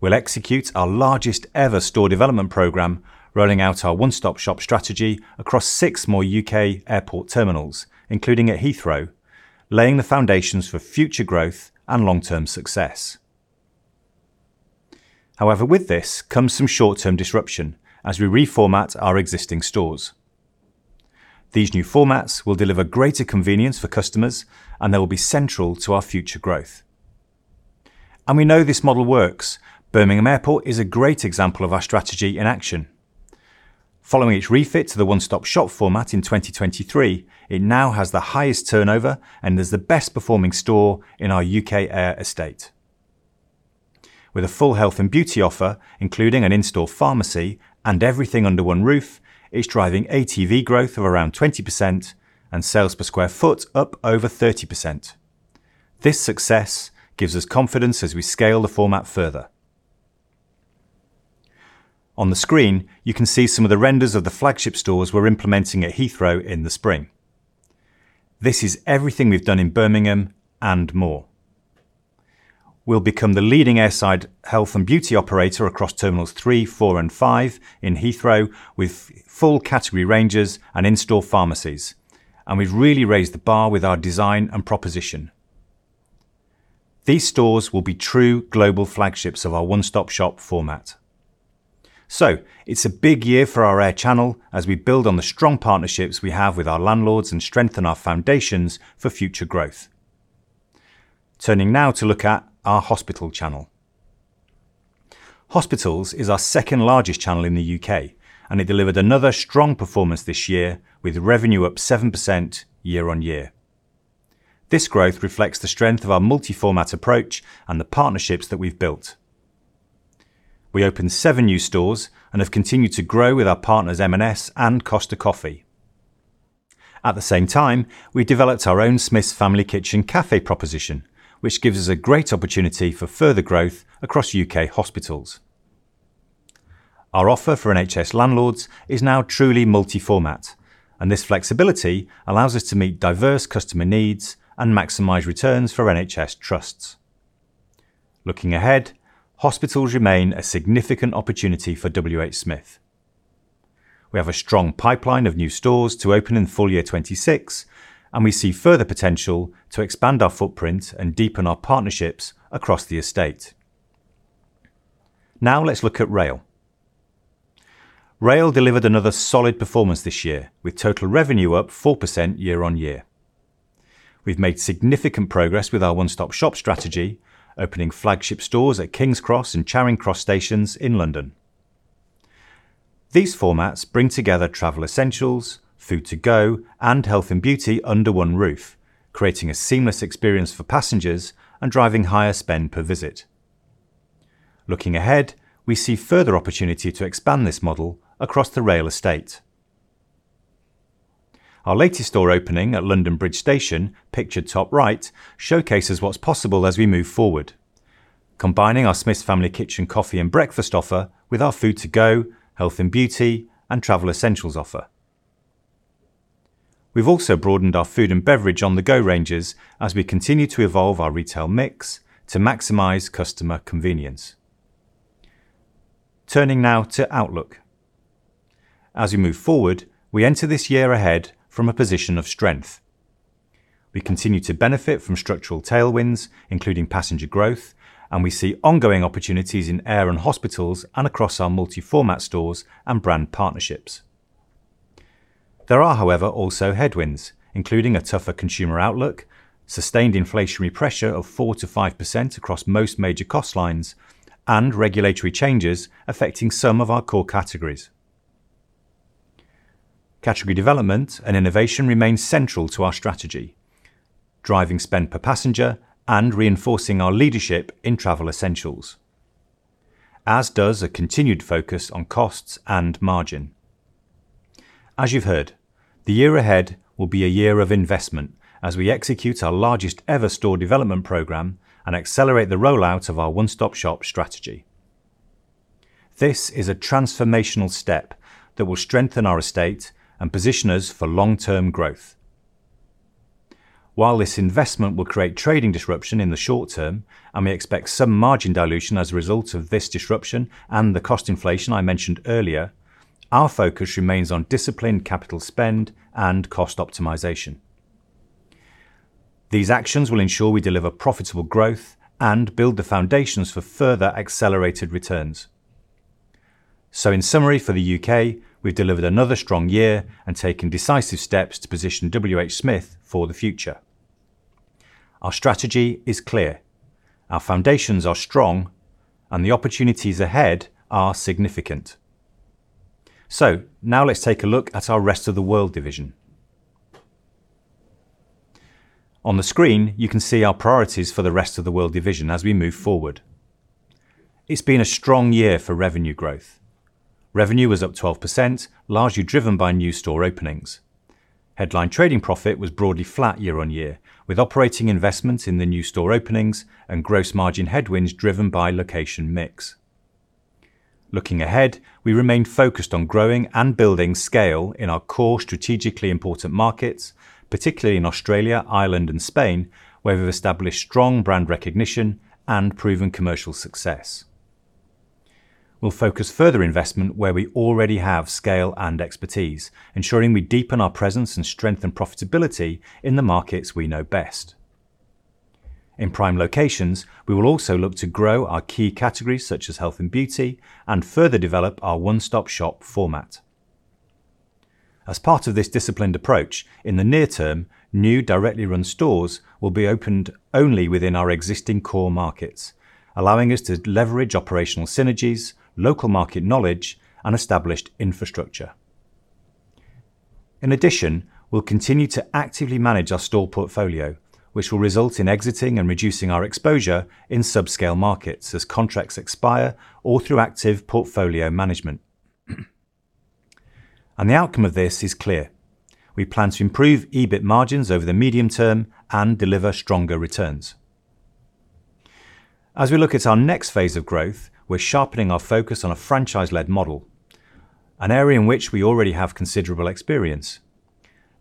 We'll execute our largest ever store development program, rolling out our one-stop-shop strategy across six more U.K. airport terminals, including at Heathrow, laying the foundations for future growth and long-term success. However, with this comes some short-term disruption as we reformat our existing stores. These new formats will deliver greater convenience for customers, and they will be central to our future growth. And we know this model works. Birmingham Airport is a great example of our strategy in action. Following its refit to the one-stop-shop format in 2023, it now has the highest turnover and is the best-performing store in our U.K. Air estate. With a full Health & Beauty offer, including an in-store pharmacy and everything under one roof, it's driving ATV growth of around 20% and sales per square foot up over 30%. This success gives us confidence as we scale the format further. On the screen, you can see some of the renders of the flagship stores we're implementing at Heathrow in the spring. This is everything we've done in Birmingham and more. We'll become the leading airside Health & Beauty operator across terminals three, four, and five in Heathrow with full category ranges and in-store pharmacies, and we've really raised the bar with our design and proposition. These stores will be true global flagships of our one-stop shop format. So it's a big year for our Air channel as we build on the strong partnerships we have with our landlords and strengthen our foundations for future growth. Turning now to look at our Hospital channel. Hospitals is our second-largest channel in the U.K., and it delivered another strong performance this year with revenue up 7% year on year. This growth reflects the strength of our multi-format approach and the partnerships that we've built. We opened seven new stores and have continued to grow with our partners M&S and Costa Coffee. At the same time, we developed our own Smith's Family Kitchen café proposition, which gives us a great opportunity for further growth across U.K. Hospitals. Our offer for NHS landlords is now truly multi-format, and this flexibility allows us to meet diverse customer needs and maximize returns for NHS trusts. Looking ahead, Hospitals remain a significant opportunity for WH Smith. We have a strong pipeline of new stores to open in full year 2026, and we see further potential to expand our footprint and deepen our partnerships across the estate. Now let's look at Rail. Rail delivered another solid performance this year with total revenue up 4% year on year. We've made significant progress with our one-stop-shop strategy, opening flagship stores at King's Cross and Charing Cross stations in London. These formats bring together Travel Essentials, food-to-go, and Health & Beauty under one roof, creating a seamless experience for passengers and driving higher spend per visit. Looking ahead, we see further opportunity to expand this model across the Rail estate. Our latest store opening at London Bridge Station, pictured top right, showcases what's possible as we move forward, combining our Smith's Family Kitchen coffee and breakfast offer with our food-to-go, Health & Beauty, and Travel Essentials offer. We've also broadened our food and beverage on the go ranges as we continue to evolve our retail mix to maximize customer convenience. Turning now to outlook. As we move forward, we enter this year ahead from a position of strength. We continue to benefit from structural tailwinds, including passenger growth, and we see ongoing opportunities in Air and Hospitals and across our multi-format stores and brand partnerships. There are, however, also headwinds, including a tougher consumer outlook, sustained inflationary pressure of 4%-5% across most major cost lines, and regulatory changes affecting some of our core categories. Category development and innovation remain central to our strategy, driving spend per passenger and reinforcing our leadership in Travel Essentials, as does a continued focus on costs and margin. As you've heard, the year ahead will be a year of investment as we execute our largest ever store development program and accelerate the rollout of our one-stop-shop strategy. This is a transformational step that will strengthen our estate and position us for long-term growth. While this investment will create trading disruption in the short term, and we expect some margin dilution as a result of this disruption and the cost inflation I mentioned earlier, our focus remains on disciplined capital spend and cost optimization. These actions will ensure we deliver profitable growth and build the foundations for further accelerated returns. So, in summary, for the U.K., we've delivered another strong year and taken decisive steps to position WH Smith for the future. Our strategy is clear, our foundations are strong, and the opportunities ahead are significant. So now let's take a look at our Rest of the World division. On the screen, you can see our priorities for the Rest of the World division as we move forward. It's been a strong year for revenue growth. Revenue was up 12%, largely driven by new store openings. Headline trading profit was broadly flat year on year, with operating investments in the new store openings and gross margin headwinds driven by location mix. Looking ahead, we remain focused on growing and building scale in our core strategically important markets, particularly in Australia, Ireland, and Spain, where we've established strong brand recognition and proven commercial success. We'll focus further investment where we already have scale and expertise, ensuring we deepen our presence and strengthen profitability in the markets we know best. In prime locations, we will also look to grow our key categories such as Health & Beauty and further develop our one-stop-shop format. As part of this disciplined approach, in the near term, new directly run stores will be opened only within our existing core markets, allowing us to leverage operational synergies, local market knowledge, and established infrastructure. In addition, we'll continue to actively manage our store portfolio, which will result in exiting and reducing our exposure in subscale markets as contracts expire or through active portfolio management. And the outcome of this is clear. We plan to improve EBIT margins over the medium term and deliver stronger returns. As we look at our next phase of growth, we're sharpening our focus on a franchise-led model, an area in which we already have considerable experience.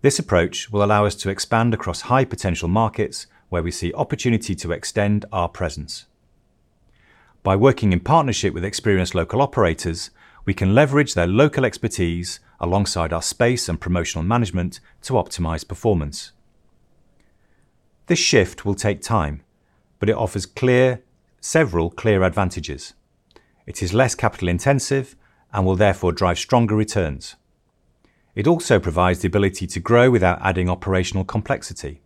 This approach will allow us to expand across high potential markets where we see opportunity to extend our presence. By working in partnership with experienced local operators, we can leverage their local expertise alongside our space and promotional management to optimize performance. This shift will take time, but it offers several clear advantages. It is less capital-intensive and will therefore drive stronger returns. It also provides the ability to grow without adding operational complexity.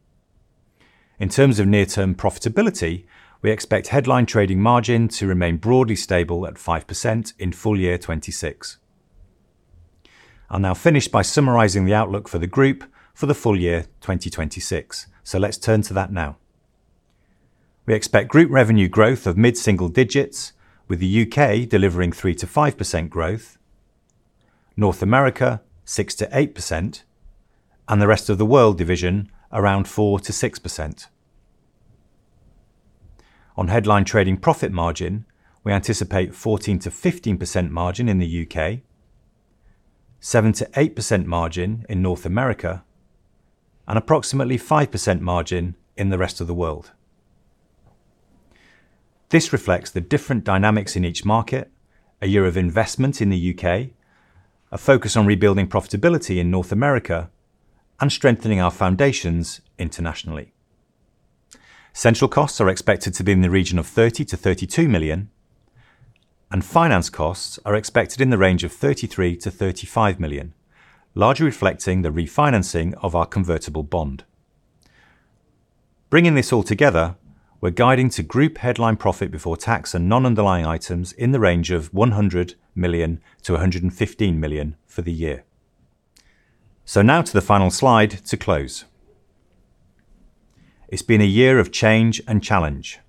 In terms of near-term profitability, we expect headline trading margin to remain broadly stable at 5% in full year 2026. I'll now finish by summarizing the outlook for the group for the full year 2026, so let's turn to that now. We expect group revenue growth of mid-single digits, with the U.K. delivering 3%-5% growth, North America 6%-8%, and the Rest of the World division around 4%-6%. On headline trading profit margin, we anticipate 14%-15% margin in the U.K., 7%-8% margin in North America, and approximately 5% margin in the Rest of the World. This reflects the different dynamics in each market, a year of investment in the U.K., a focus on rebuilding profitability in North America, and strengthening our foundations internationally. Central costs are expected to be in the region of 30 million-32 million, and finance costs are expected in the range of 33 million-35 million, largely reflecting the refinancing of our convertible bond. Bringing this all together, we're guiding to group headline profit before tax and non-underlying items in the range of 100 million-115 million for the year. So now to the final slide to close. It's been a year of change and challenge.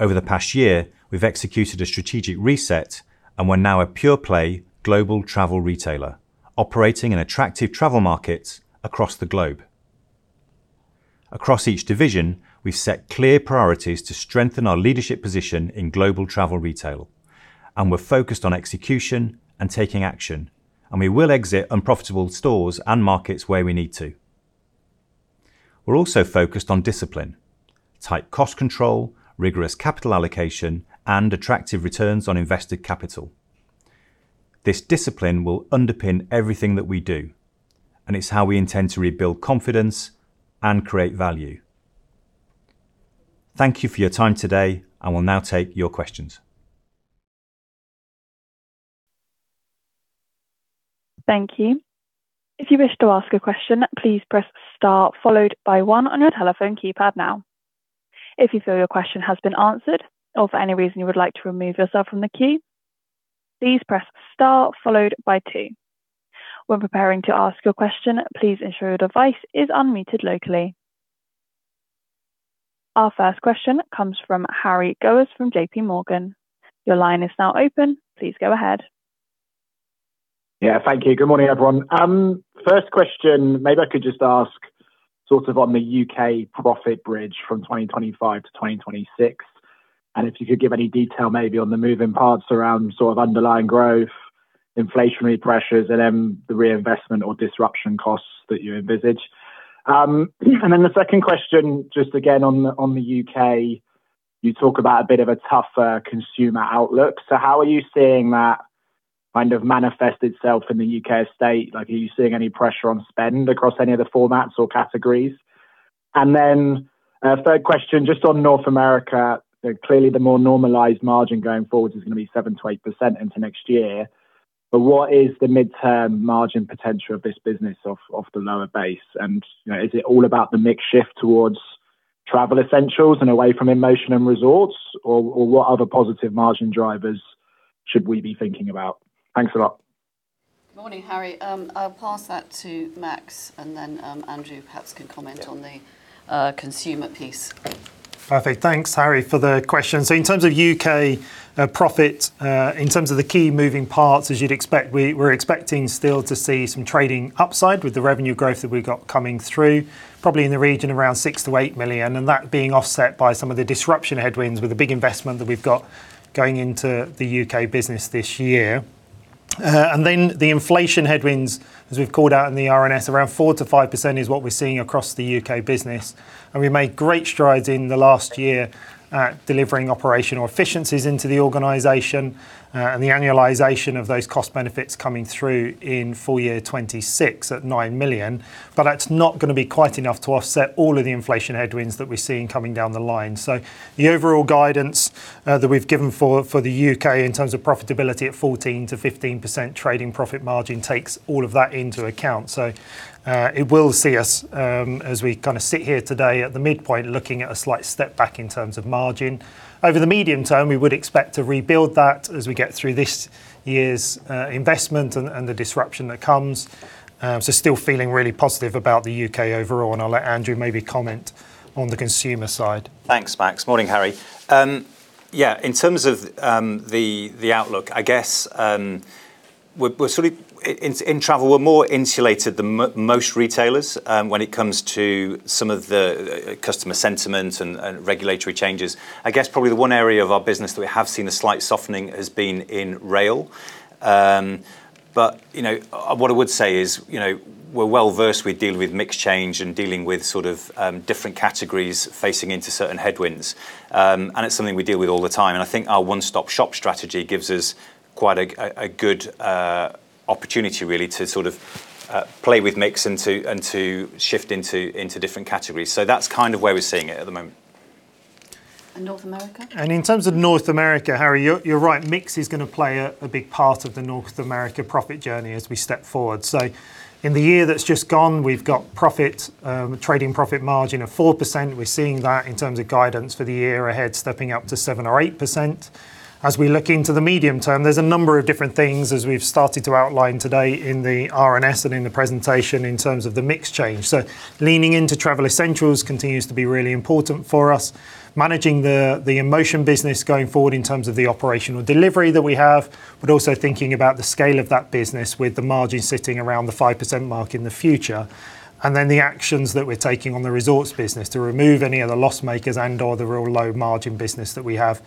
Over the past year, we've executed a strategic reset, and we're now a pure-play global travel retailer, operating in attractive travel markets across the globe. Across each division, we've set clear priorities to strengthen our leadership position in global travel retail, and we're focused on execution and taking action, and we will exit unprofitable stores and markets where we need to. We're also focused on discipline: tight cost control, rigorous capital allocation, and attractive returns on invested capital. This discipline will underpin everything that we do, and it's how we intend to rebuild confidence and create value. Thank you for your time today, and we'll now take your questions. Thank you. If you wish to ask a question, please press star, followed by one, on your telephone keypad now. If you feel your question has been answered, or for any reason you would like to remove yourself from the queue, please press star, followed by two. When preparing to ask your question, please ensure your device is unmuted locally. Our first question comes from Harry Gowers from JPMorgan. Your line is now open. Please go ahead. Yeah, thank you. Good morning, everyone. First question, maybe I could just ask sort of on the U.K. profit bridge from 2025 to 2026, and if you could give any detail maybe on the moving parts around sort of underlying growth, inflationary pressures, and then the reinvestment or disruption costs that you envisage. And then the second question, just again on the U.K., you talk about a bit of a tougher consumer outlook. So how are you seeing that kind of manifest itself in the U.K. estate? Are you seeing any pressure on spend across any of the formats or categories? And then third question, just on North America, clearly the more normalized margin going forward is going to be 7%-8% into next year. But what is the mid-term margin potential of this business off the lower base? And is it all about the mix shift towards Travel Essentials and away from InMotion and Resorts, or what other positive margin drivers should we be thinking about? Thanks a lot. Good morning, Harry. I'll pass that to Max, and then Andrew perhaps can comment on the consumer piece. Perfect. Thanks, Harry, for the question. So in terms of U.K. profit, in terms of the key moving parts, as you'd expect, we're expecting still to see some trading upside with the revenue growth that we got coming through, probably in the region around 6 million-8 million, and that being offset by some of the disruption headwinds with the big investment that we've got going into the U.K. business this year. And then the inflation headwinds, as we've called out in the RNS, around 4%-5% is what we're seeing across the U.K. business. And we made great strides in the last year at delivering operational efficiencies into the organization and the annualization of those cost benefits coming through in full year 2026 at 9 million. But that's not going to be quite enough to offset all of the inflation headwinds that we're seeing coming down the line. So the overall guidance that we've given for the U.K. in terms of profitability at 14%-15% trading profit margin takes all of that into account. So it will see us as we kind of sit here today at the midpoint looking at a slight step back in terms of margin. Over the medium term, we would expect to rebuild that as we get through this year's investment and the disruption that comes. So still feeling really positive about the U.K. overall, and I'll let Andrew maybe comment on the consumer side. Thanks, Max. Morning, Harry. Yeah, in terms of the outlook, I guess we're sort of in travel, we're more insulated than most retailers when it comes to some of the customer sentiment and regulatory changes. I guess probably the one area of our business that we have seen a slight softening has been in Rail. What I would say is we're well versed with dealing with mix change and dealing with sort of different categories facing into certain headwinds. It's something we deal with all the time. I think our one-stop-shop strategy gives us quite a good opportunity really to sort of play with mix and to shift into different categories. That's kind of where we're seeing it at the moment. North America? In terms of North America, Harry, you're right, mix is going to play a big part of the North America profit journey as we step forward. In the year that's just gone, we've got trading profit margin of 4%. We're seeing that in terms of guidance for the year ahead, stepping up to 7% or 8%. As we look into the medium term, there's a number of different things, as we've started to outline today in the RNS and in the presentation in terms of the mix change, so leaning into Travel Essentials continues to be really important for us, managing the InMotion business going forward in terms of the operational delivery that we have, but also thinking about the scale of that business with the margin sitting around the 5% mark in the future, and then the actions that we're taking on the Resorts business to remove any of the loss makers and/or the real low margin business that we have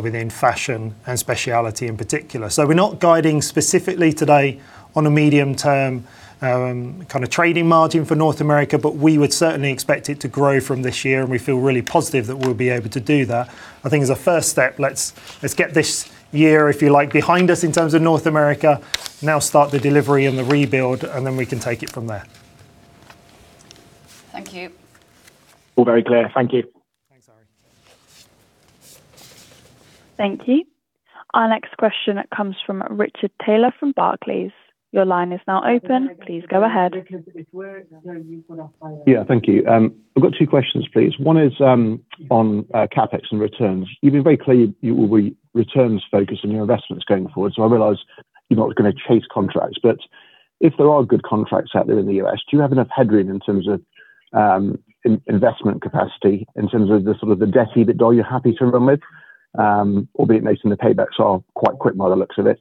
within fashion and specialty in particular. So we're not guiding specifically today on a medium-term kind of trading margin for North America, but we would certainly expect it to grow from this year, and we feel really positive that we'll be able to do that. I think as a first step, let's get this year, if you like, behind us in terms of North America, now start the delivery and the rebuild, and then we can take it from there. Thank you. All very clear. Thanks, Harry. Thank you. Our next question comes from Richard Taylor from Barclays. Your line is now open. Please go ahead. Yeah, thank you. I've got two questions, please. One is on CapEx and returns. You've been very clear you will be returns-focused in your investments going forward. So I realize you're not going to chase contracts, but if there are good contracts out there in the U.S., do you have enough headwind in terms of investment capacity, in terms of the sort of the debt EBITDA you're happy to run with, albeit noting the paybacks are quite quick by the looks of it?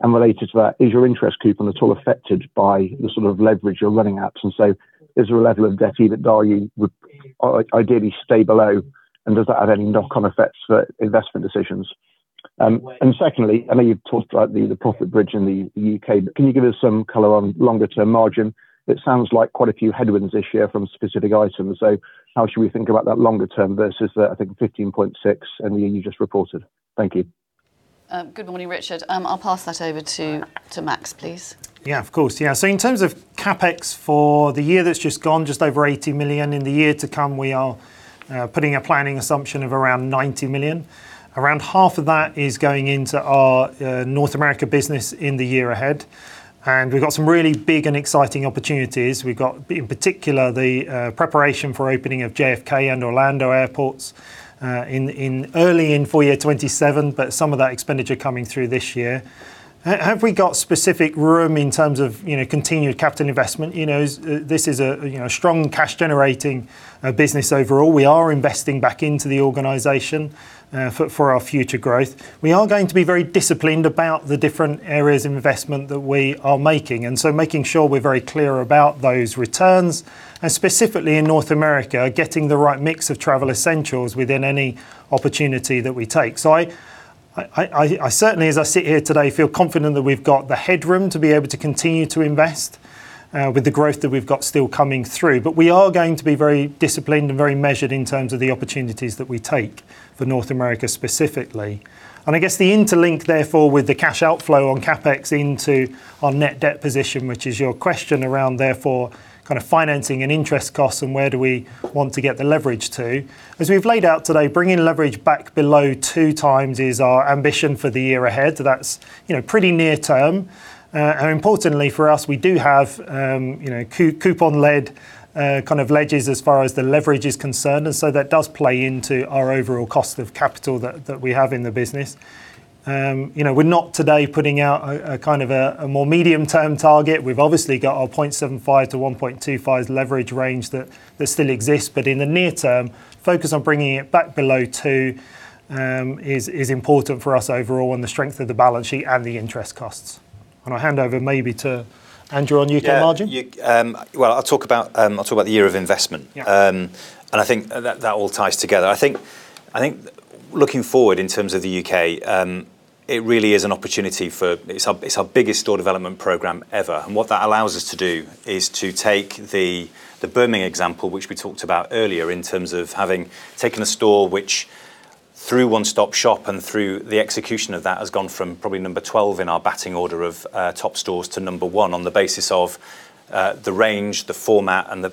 And related to that, is your interest coupon at all affected by the sort of leverage you're running at? And so is there a level of debt EBITDA you would ideally stay below, and does that have any knock-on effects for investment decisions? And secondly, I know you've talked about the profit bridge in the U.K., but can you give us some color on longer-term margin? It sounds like quite a few headwinds this year from specific items. So how should we think about that longer-term versus the, I think, 15.6% and the year you just reported? Thank you. Good morning, Richard. I'll pass that over to Max, please. Yeah, of course. Yeah. So in terms of CapEx for the year that's just gone, just over 80 million. In the year to come, we are putting a planning assumption of around 90 million. Around half of that is going into our North America business in the year ahead. And we've got some really big and exciting opportunities. We've got, in particular, the preparation for opening of JFK and Orlando airports early in full year 2027, but some of that expenditure coming through this year. Have we got specific room in terms of continued capital investment? This is a strong cash-generating business overall. We are investing back into the organization for our future growth. We are going to be very disciplined about the different areas of investment that we are making, and so making sure we're very clear about those returns, and specifically in North America, getting the right mix of Travel Essentials within any opportunity that we take. So I certainly, as I sit here today, feel confident that we've got the headroom to be able to continue to invest with the growth that we've got still coming through. But we are going to be very disciplined and very measured in terms of the opportunities that we take for North America specifically. And I guess the interlink therefore with the cash outflow on CapEx into our net debt position, which is your question around therefore kind of financing and interest costs and where do we want to get the leverage to. As we've laid out today, bringing leverage back below two times is our ambition for the year ahead. That's pretty near term, and importantly for us, we do have covenant-led kind of ledges as far as the leverage is concerned, and so that does play into our overall cost of capital that we have in the business. We're not today putting out a kind of a more medium-term target. We've obviously got our 0.75-1.25 leverage range that still exists, but in the near term, focus on bringing it back below two is important for us overall on the strength of the balance sheet and the interest costs, and I'll hand over maybe to Andrew on U.K. margin. Yeah. Well, I'll talk about the year of investment, and I think that all ties together. I think looking forward in terms of the U.K., it really is an opportunity for it's our biggest store development program ever. And what that allows us to do is to take the Birmingham example, which we talked about earlier in terms of having taken a store which, through one-stop-shop and through the execution of that, has gone from probably number 12 in our batting order of top stores to number one on the basis of the range, the format, and the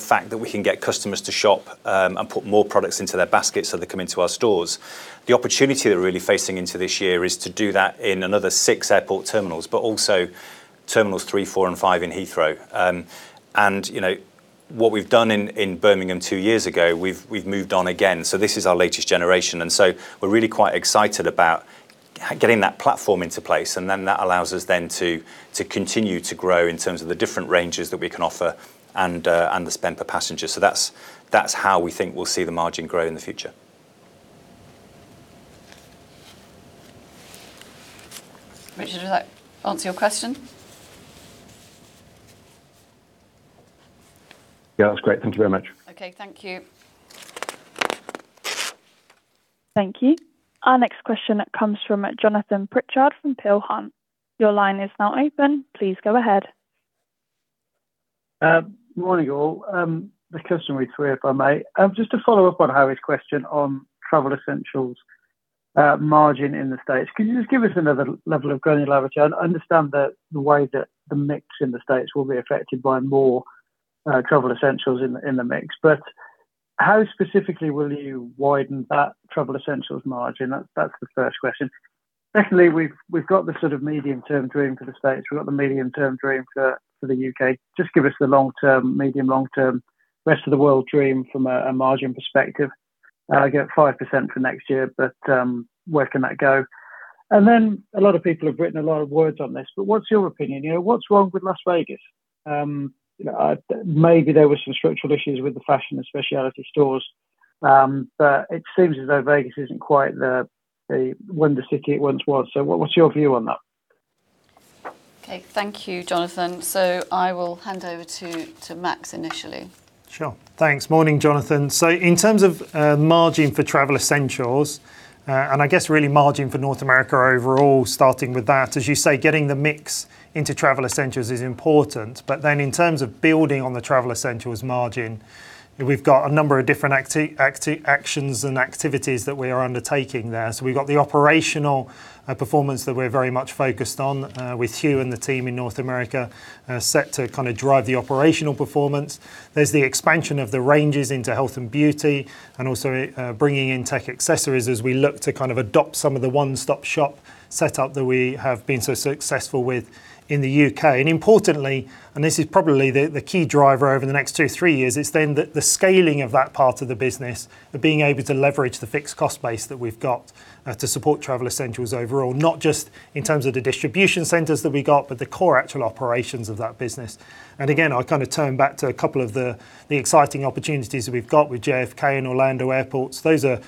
fact that we can get customers to shop and put more products into their baskets so they come into our stores. The opportunity that we're really facing into this year is to do that in another six airport terminals, but also terminals three, four, and five in Heathrow. And what we've done in Birmingham two years ago, we've moved on again. So this is our latest generation. And so we're really quite excited about getting that platform into place, and then that allows us then to continue to grow in terms of the different ranges that we can offer and the spend per passenger. So that's how we think we'll see the margin grow in the future. Richard, did that answer your question? Yeah, that was great. Thank you very much. Okay, thank you. Thank you. Our next question comes from Jonathan Pritchard from Peel Hunt. Your line is now open. Please go ahead. Good morning, all. The customary three, if I may. Just to follow up on Harry's question on Travel Essentials margin in the States, can you just give us another level of granularity? I understand that the way that the mix in the States will be affected by more Travel Essentials in the mix, but how specifically will you widen that Travel Essentials margin? That's the first question. Secondly, we've got the sort of medium-term dream for the States. We've got the medium-term dream for the U.K.. Just give us the long-term, medium-long-term Rest of the World dream from a margin perspective. I get 5% for next year, but where can that go? And then a lot of people have written a lot of words on this, but what's your opinion? What's wrong with Las Vegas? Maybe there were some structural issues with the fashion and specialty stores, but it seems as though Vegas isn't quite the wonder city it once was. So what's your view on that? Okay, thank you, Jonathan. So I will hand over to Max initially. Sure. Thanks. Morning, Jonathan. So in terms of margin for Travel Essentials, and I guess really margin for North America overall, starting with that, as you say, getting the mix into Travel Essentials is important. But then in terms of building on the Travel Essentials margin, we've got a number of different actions and activities that we are undertaking there. So we've got the operational performance that we're very much focused on with Hugh and the team in North America set to kind of drive the operational performance. There's the expansion of the ranges into Health & Beauty and also bringing in tech accessories as we look to kind of adopt some of the one-stop-shop setup that we have been so successful with in the U.K. Importantly, and this is probably the key driver over the next two, three years, it is then the scaling of that part of the business, of being able to leverage the fixed cost base that we've got to support Travel Essentials overall, not just in terms of the distribution centers that we got, but the core actual operations of that business. Again, I kind of turn back to a couple of the exciting opportunities that we've got with JFK and Orlando airports. Those are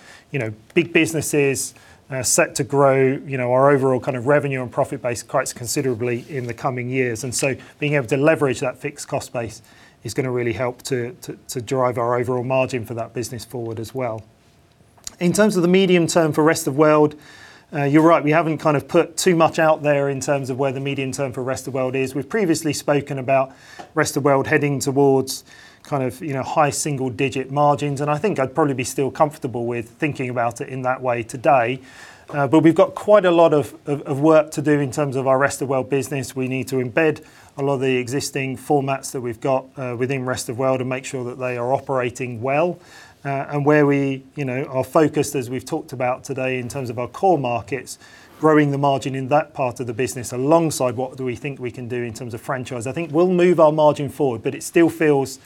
big businesses set to grow our overall kind of revenue and profit base quite considerably in the coming years. So being able to leverage that fixed cost base is going to really help to drive our overall margin for that business forward as well. In terms of the medium term for Rest of the World, you're right, we haven't kind of put too much out there in terms of where the medium term for Rest of the World is. We've previously spoken about Rest of the World heading towards kind of high single-digit margins, and I think I'd probably be still comfortable with thinking about it in that way today. But we've got quite a lot of work to do in terms of our Rest of the World business. We need to embed a lot of the existing formats that we've got within Rest of the World and make sure that they are operating well. And where we are focused, as we've talked about today in terms of our core markets, growing the margin in that part of the business alongside what do we think we can do in terms of franchise. I think we'll move our margin forward, but it still feels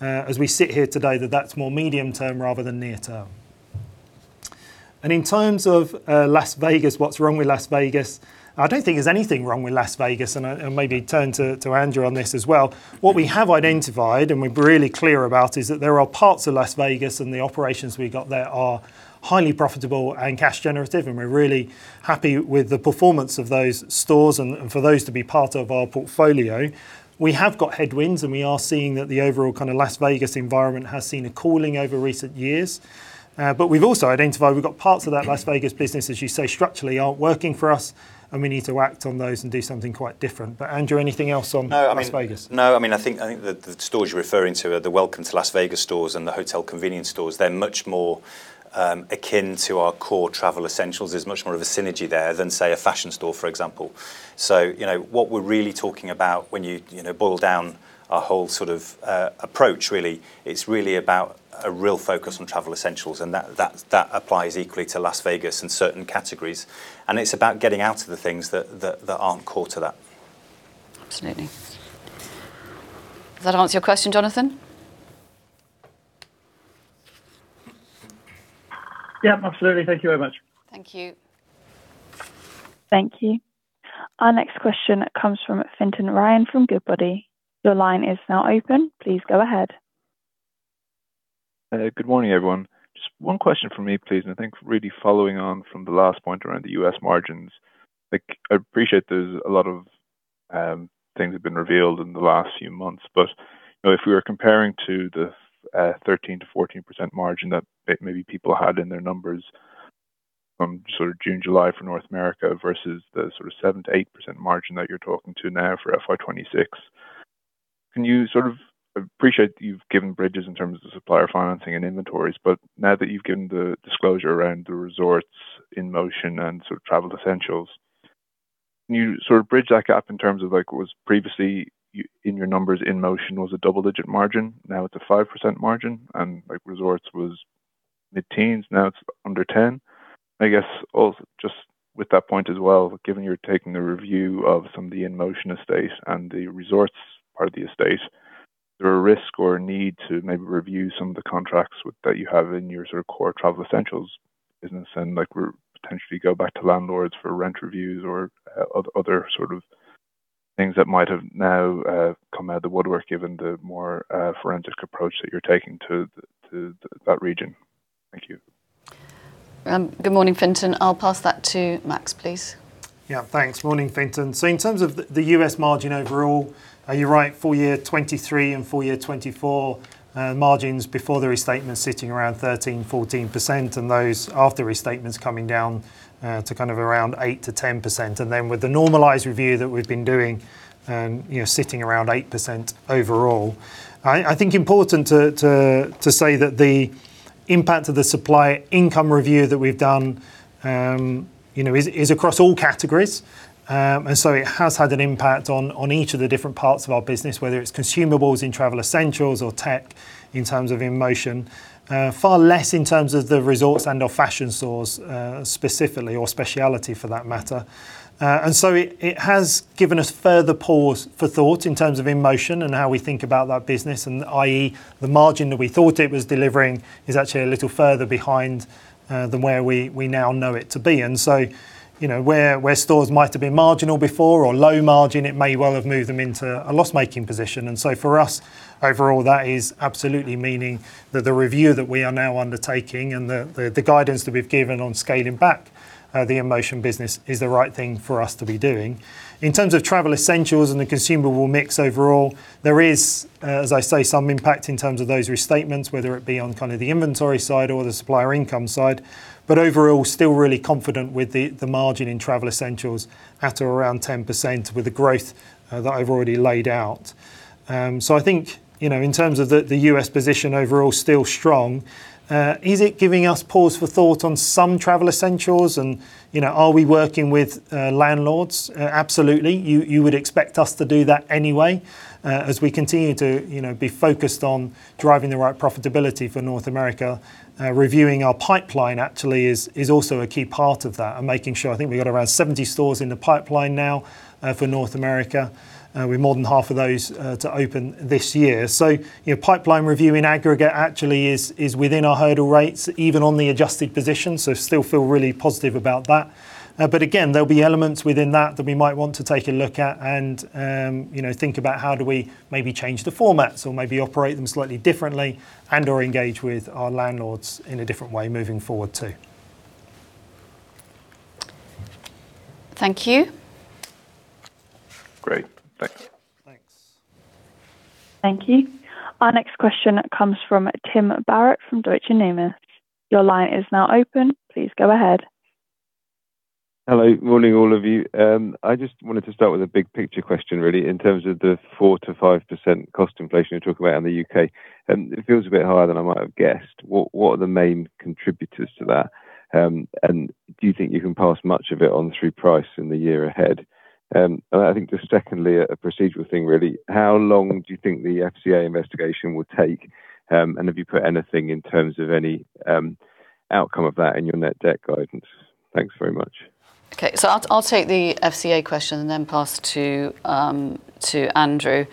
as we sit here today that that's more medium term rather than near term. And in terms of Las Vegas, what's wrong with Las Vegas? I don't think there's anything wrong with Las Vegas, and maybe turn to Andrew on this as well. What we have identified and we're really clear about is that there are parts of Las Vegas and the operations we got there are highly profitable and cash-generative, and we're really happy with the performance of those stores and for those to be part of our portfolio. We have got headwinds, and we are seeing that the overall kind of Las Vegas environment has seen a cooling over recent years. But we've also identified we've got parts of that Las Vegas business, as you say, structurally aren't working for us, and we need to act on those and do something quite different. But Andrew, anything else on Las Vegas? No, I mean, I think the stores you're referring to are the Welcome to Las Vegas stores and the Hotel Convenience stores. They're much more akin to our core Travel Essentials. There's much more of a synergy there than, say, a fashion store, for example. So what we're really talking about when you boil down our whole sort of approach, really, it's really about a real focus on Travel Essentials, and that applies equally to Las Vegas and certain categories. And it's about getting out of the things that aren't core to that. Absolutely. Does that answer your question, Jonathan? Yep, absolutely. Thank you very much. Thank you. Thank you. Our next question comes from Fintan Ryan from Goodbody. Your line is now open. Please go ahead. Good morning, everyone. Just one question from me, please. I think really following on from the last point around the U.S. margins. I appreciate there's a lot of things that have been revealed in the last few months, but if we were comparing to the 13%-14% margin that maybe people had in their numbers from sort of June, July for North America versus the sort of 7%-8% margin that you're talking to now for FY 2026, I appreciate you've given bridges in terms of the supplier financing and inventories, but now that you've given the disclosure around the Resorts, InMotion, and sort of Travel Essentials, can you sort of bridge that gap in terms of what was previously in your numbers. InMotion was a double-digit margin, now it's a 5% margin, and Resorts was mid-teens, now it's under 10%? I guess also just with that point as well, given you're taking the review of some of the InMotion estates and the Resorts part of the estates, there are risk or need to maybe review some of the contracts that you have in your sort of core Travel Essentials business and potentially go back to landlords for rent reviews or other sort of things that might have now come out of the woodwork given the more forensic approach that you're taking to that region. Thank you. Good morning, Fintan. I'll pass that to Max, please. Yeah, thanks. Morning, Fintan. So in terms of the U.S. margin overall, you're right, full year 2023 and full year 2024, margins before the restatement sitting around 13%-14%, and those after restatements coming down to kind of around 8%-10%. And then with the normalized review that we've been doing, sitting around 8% overall. I think important to say that the impact of the supplier income review that we've done is across all categories, and so it has had an impact on each of the different parts of our business, whether it's consumables in Travel Essentials or tech in terms of InMotion, far less in terms of the Resorts and/or fashion stores specifically or specialty for that matter. And so it has given us further pause for thought in terms of InMotion and how we think about that business, and i.e., the margin that we thought it was delivering is actually a little further behind than where we now know it to be. And so where stores might have been marginal before or low margin, it may well have moved them into a loss-making position. For us, overall, that is absolutely meaning that the review that we are now undertaking and the guidance that we've given on scaling back the InMotion business is the right thing for us to be doing. In terms of Travel Essentials and the consumable mix overall, there is, as I say, some impact in terms of those restatements, whether it be on kind of the inventory side or the supplier income side, but overall, still really confident with the margin in Travel Essentials at around 10% with the growth that I've already laid out. So I think in terms of the U.S. position overall, still strong. Is it giving us pause for thought on some Travel Essentials? And are we working with landlords? Absolutely. You would expect us to do that anyway as we continue to be focused on driving the right profitability for North America. Reviewing our pipeline actually is also a key part of that and making sure I think we've got around 70 stores in the pipeline now for North America. We're more than half of those to open this year. So pipeline review in aggregate actually is within our hurdle rates, even on the adjusted position, so still feel really positive about that. But again, there'll be elements within that that we might want to take a look at and think about how do we maybe change the formats or maybe operate them slightly differently and/or engage with our landlords in a different way moving forward too. Thank you. Great. Thanks. Thank you. Our next question comes from Tim Barrett from Deutsche Numis. Your line is now open. Please go ahead. Hello. Morning, all of you. I just wanted to start with a big picture question, really, in terms of the 4%-5% cost inflation you're talking about in the U.K. It feels a bit higher than I might have guessed. What are the main contributors to that? And do you think you can pass much of it on through price in the year ahead? And I think just secondly, a procedural thing, really, how long do you think the FCA investigation will take? And have you put anything in terms of any outcome of that in your net debt guidance? Thanks very much. Okay, so I'll take the FCA question and then pass to Andrew.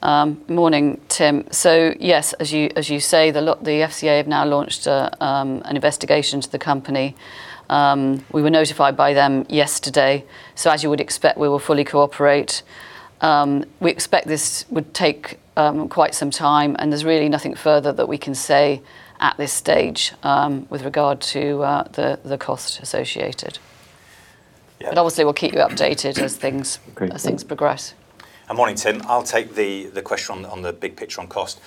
Morning, Tim. So yes, as you say, the FCA have now launched an investigation into the company. We were notified by them yesterday. So as you would expect, we will fully cooperate. We expect this would take quite some time, and there's really nothing further that we can say at this stage with regard to the cost associated. But obviously, we'll keep you updated as things progress. And morning, Tim. I'll take the question on the big picture on cost.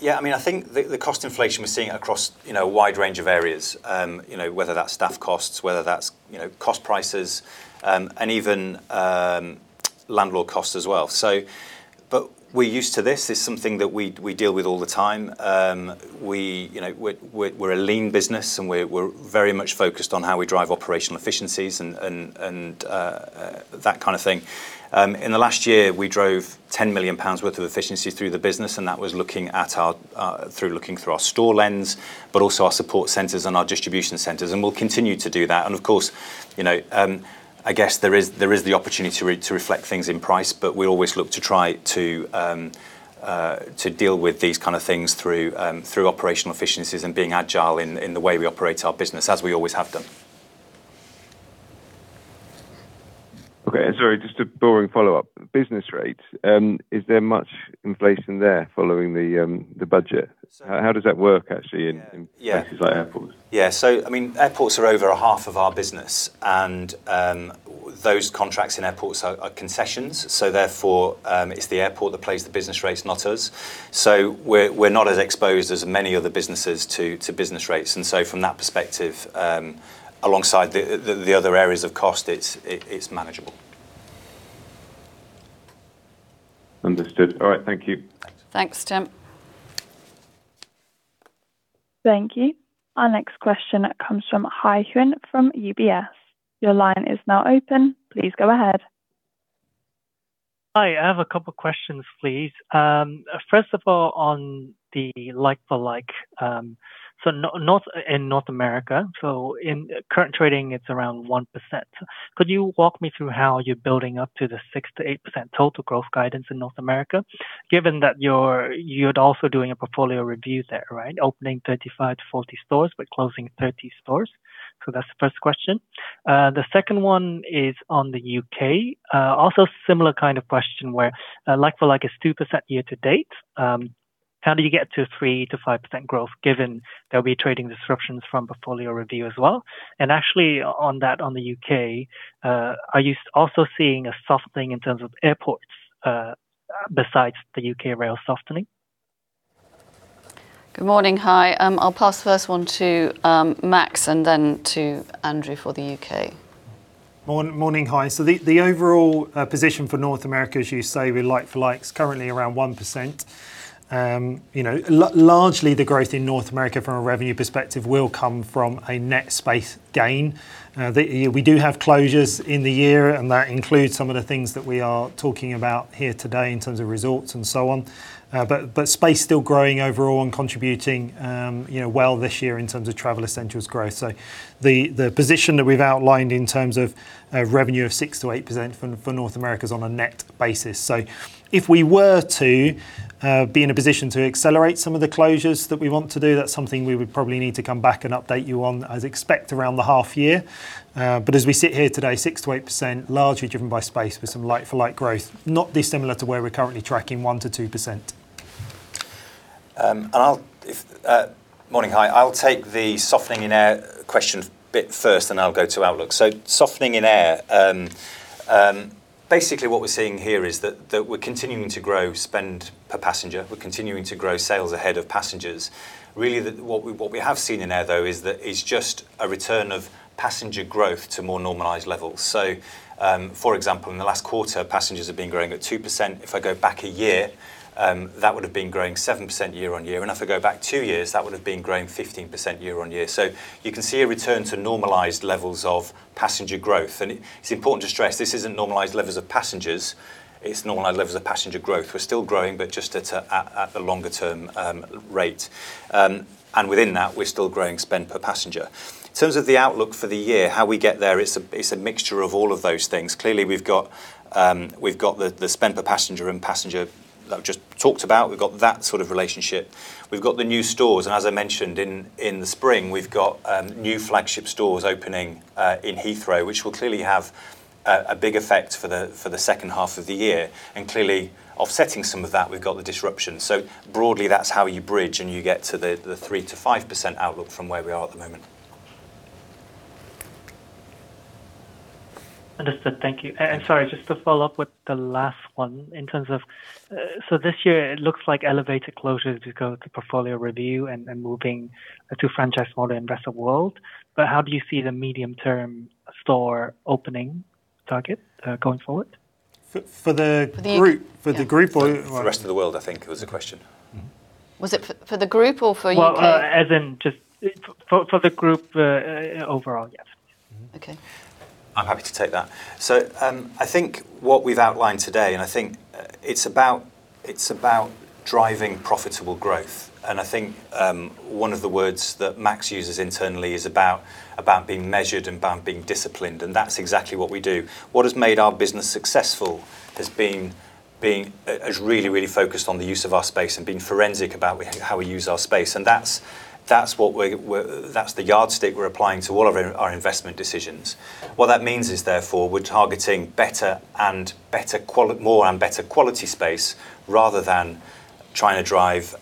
Yeah, I mean, I think the cost inflation we're seeing across a wide range of areas, whether that's staff costs, whether that's cost prices, and even landlord costs as well. But we're used to this. It's something that we deal with all the time. We're a lean business, and we're very much focused on how we drive operational efficiencies and that kind of thing. In the last year, we drove 10 million pounds worth of efficiencies through the business, and that was looking through our store lens, but also our support centers and our distribution centers. And we'll continue to do that. And of course, I guess there is the opportunity to reflect things in price, but we always look to try to deal with these kind of things through operational efficiencies and being agile in the way we operate our business, as we always have done. Okay, sorry, just a boring follow-up. Business rates, is there much inflation there following the budget? How does that work actually in places like airports? Yeah, so I mean, airports are over half of our business, and those contracts in airports are concessions. So therefore, it's the airport that pays the business rates, not us. So we're not as exposed as many other businesses to business rates. And so from that perspective, alongside the other areas of cost, it's manageable. Understood. All right, thank you. Thanks, Tim. Thank you. Our next question comes from Hai Huynh from UBS. Your line is now open. Please go ahead. Hi, I have a couple of questions, please. First of all, on the like-for-like, so not in North America, so in current trading, it's around 1%. Could you walk me through how you're building up to the 6%-8% total growth guidance in North America, given that you're also doing a portfolio review there, right? Opening 35-40 stores but closing 30 stores. So that's the first question. The second one is on the U.K. Also similar kind of question where like-for-like is 2% year to date. How do you get to 3%-5% growth given there'll be trading disruptions from portfolio review as well? And actually, on that, on the U.K., are you also seeing a softening in terms of airports besides the U.K. Rail softening? Good morning, Hai. I'll pass first one to Max and then to Andrew for the U.K. Morning, Hai. So the overall position for North America, as you say, with like-for-likes, currently around 1%. Largely, the growth in North America from a revenue perspective will come from a net space gain. We do have closures in the year, and that includes some of the things that we are talking about here today in terms of results and so on. But space still growing overall and contributing well this year in terms of Travel Essentials growth. So the position that we've outlined in terms of revenue of 6%-8% for North America is on a net basis. So if we were to be in a position to accelerate some of the closures that we want to do, that's something we would probably need to come back and update you on as expected around the half year. But as we sit here today, 6%-8%, largely driven by space with some like-for-like growth, not dissimilar to where we're currently tracking 1%-2%. Morning, Hai. I'll take the softening in Air question first, and I'll go to outlook. So softening in Air, basically what we're seeing here is that we're continuing to grow spend per passenger. We're continuing to grow sales ahead of passengers. Really, what we have seen in Air, though, is that it's just a return of passenger growth to more normalized levels. So for example, in the last quarter, passengers have been growing at 2%. If I go back a year, that would have been growing 7% year on year. And if I go back two years, that would have been growing 15% year on year. So you can see a return to normalized levels of passenger growth. And it's important to stress this isn't normalized levels of passengers. It's normalized levels of passenger growth. We're still growing, but just at a longer-term rate. And within that, we're still growing spend per passenger. In terms of the outlook for the year, how we get there, it's a mixture of all of those things. Clearly, we've got the spend per passenger and passenger that we just talked about. We've got that sort of relationship. We've got the new stores. And as I mentioned, in the spring, we've got new flagship stores opening in Heathrow, which will clearly have a big effect for the second half of the year. And clearly, offsetting some of that, we've got the disruption. So broadly, that's how you bridge and you get to the 3%-5% outlook from where we are at the moment. Understood. Thank you. And sorry, just to follow up with the last one in terms of so this year, it looks like elevated closures because of the portfolio review and moving to franchise model in Rest of the World. But how do you see the medium-term store opening target going forward? For the Group or? For the Rest of the World, I think it was the question. Was it for the Group or for U.K.? As in just for the Group overall, yes. Okay. I'm happy to take that. So I think what we've outlined today, and I think it's about driving profitable growth. And I think one of the words that Max uses internally is about being measured and about being disciplined. And that's exactly what we do. What has made our business successful has been really, really focused on the use of our space and being forensic about how we use our space. And that's the yardstick we're applying to all of our investment decisions. What that means is, therefore, we're targeting better and more and better quality space rather than trying to drive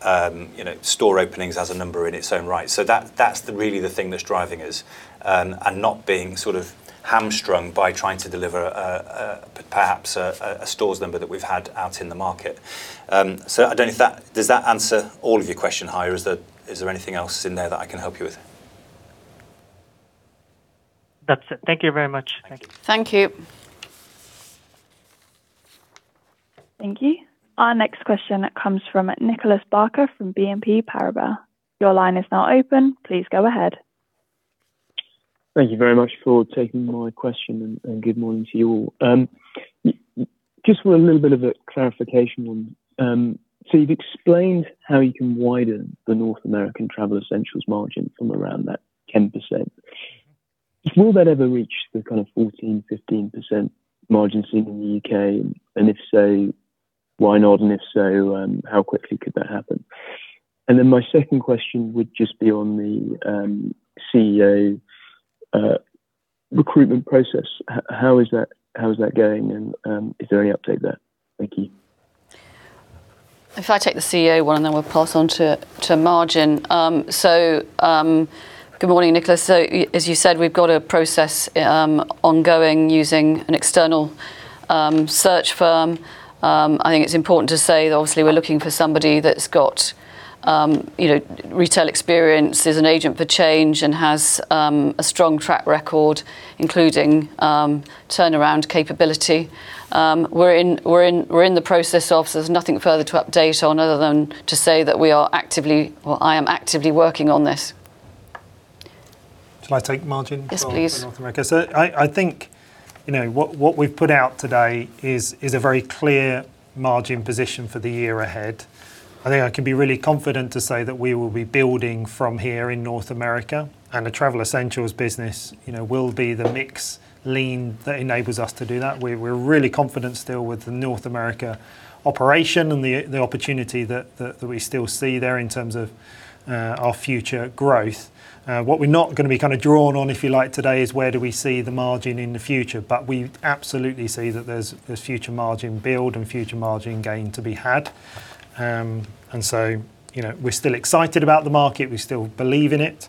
store openings as a number in its own right. So that's really the thing that's driving us and not being sort of hamstrung by trying to deliver perhaps a stores number that we've had out in the market. So I don't know if that does answer all of your question, Hai? Is there anything else in there that I can help you with? That's it. Thank you very much. Thank you. Thank you. Our next question comes from Nicholas Barker from BNP Paribas. Your line is now open. Please go ahead. Thank you very much for taking my question and good morning to you all. Just for a little bit of a clarification on, so you've explained how you can widen the North American Travel Essentials margin from around that 10%. Will that ever reach the kind of 14%-15% margin seen in the U.K.? And if so, why not? And if so, how quickly could that happen? And then my second question would just be on the CEO recruitment process. How is that going? And is there any update there? Thank you. If I take the CEO one, and then we'll pass on to margin. So good morning, Nicholas. So as you said, we've got a process ongoing using an external search firm. I think it's important to say that obviously we're looking for somebody that's got retail experience, is an agent for change, and has a strong track record, including turnaround capability. We're in the process of, so there's nothing further to update on other than to say that we are actively, or I am actively working on this. Shall I take margin? Yes, please. I think what we've put out today is a very clear margin position for the year ahead. I think I can be really confident to say that we will be building from here in North America, and the Travel Essentials business will be the mixed lean that enables us to do that. We're really confident still with the North America operation and the opportunity that we still see there in terms of our future growth. What we're not going to be kind of drawn on, if you like, today is where do we see the margin in the future. But we absolutely see that there's future margin build and future margin gain to be had. And so we're still excited about the market. We still believe in it.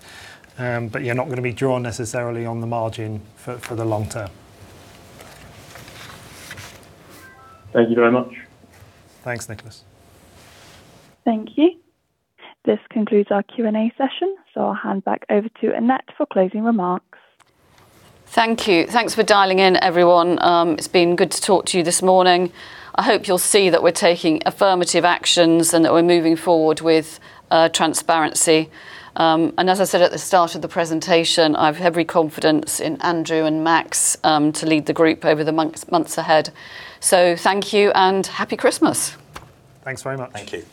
But you're not going to be drawn necessarily on the margin for the long term. Thank you very much. Thanks, Nicholas. Thank you. This concludes our Q&A session. So I'll hand back over to Annette for closing remarks. Thank you. Thanks for dialing in, everyone. It's been good to talk to you this morning. I hope you'll see that we're taking affirmative actions and that we're moving forward with transparency. And as I said at the start of the presentation, I have every confidence in Andrew and Max to lead the group over the months ahead. So thank you and happy Christmas. Thanks very much. Thank you.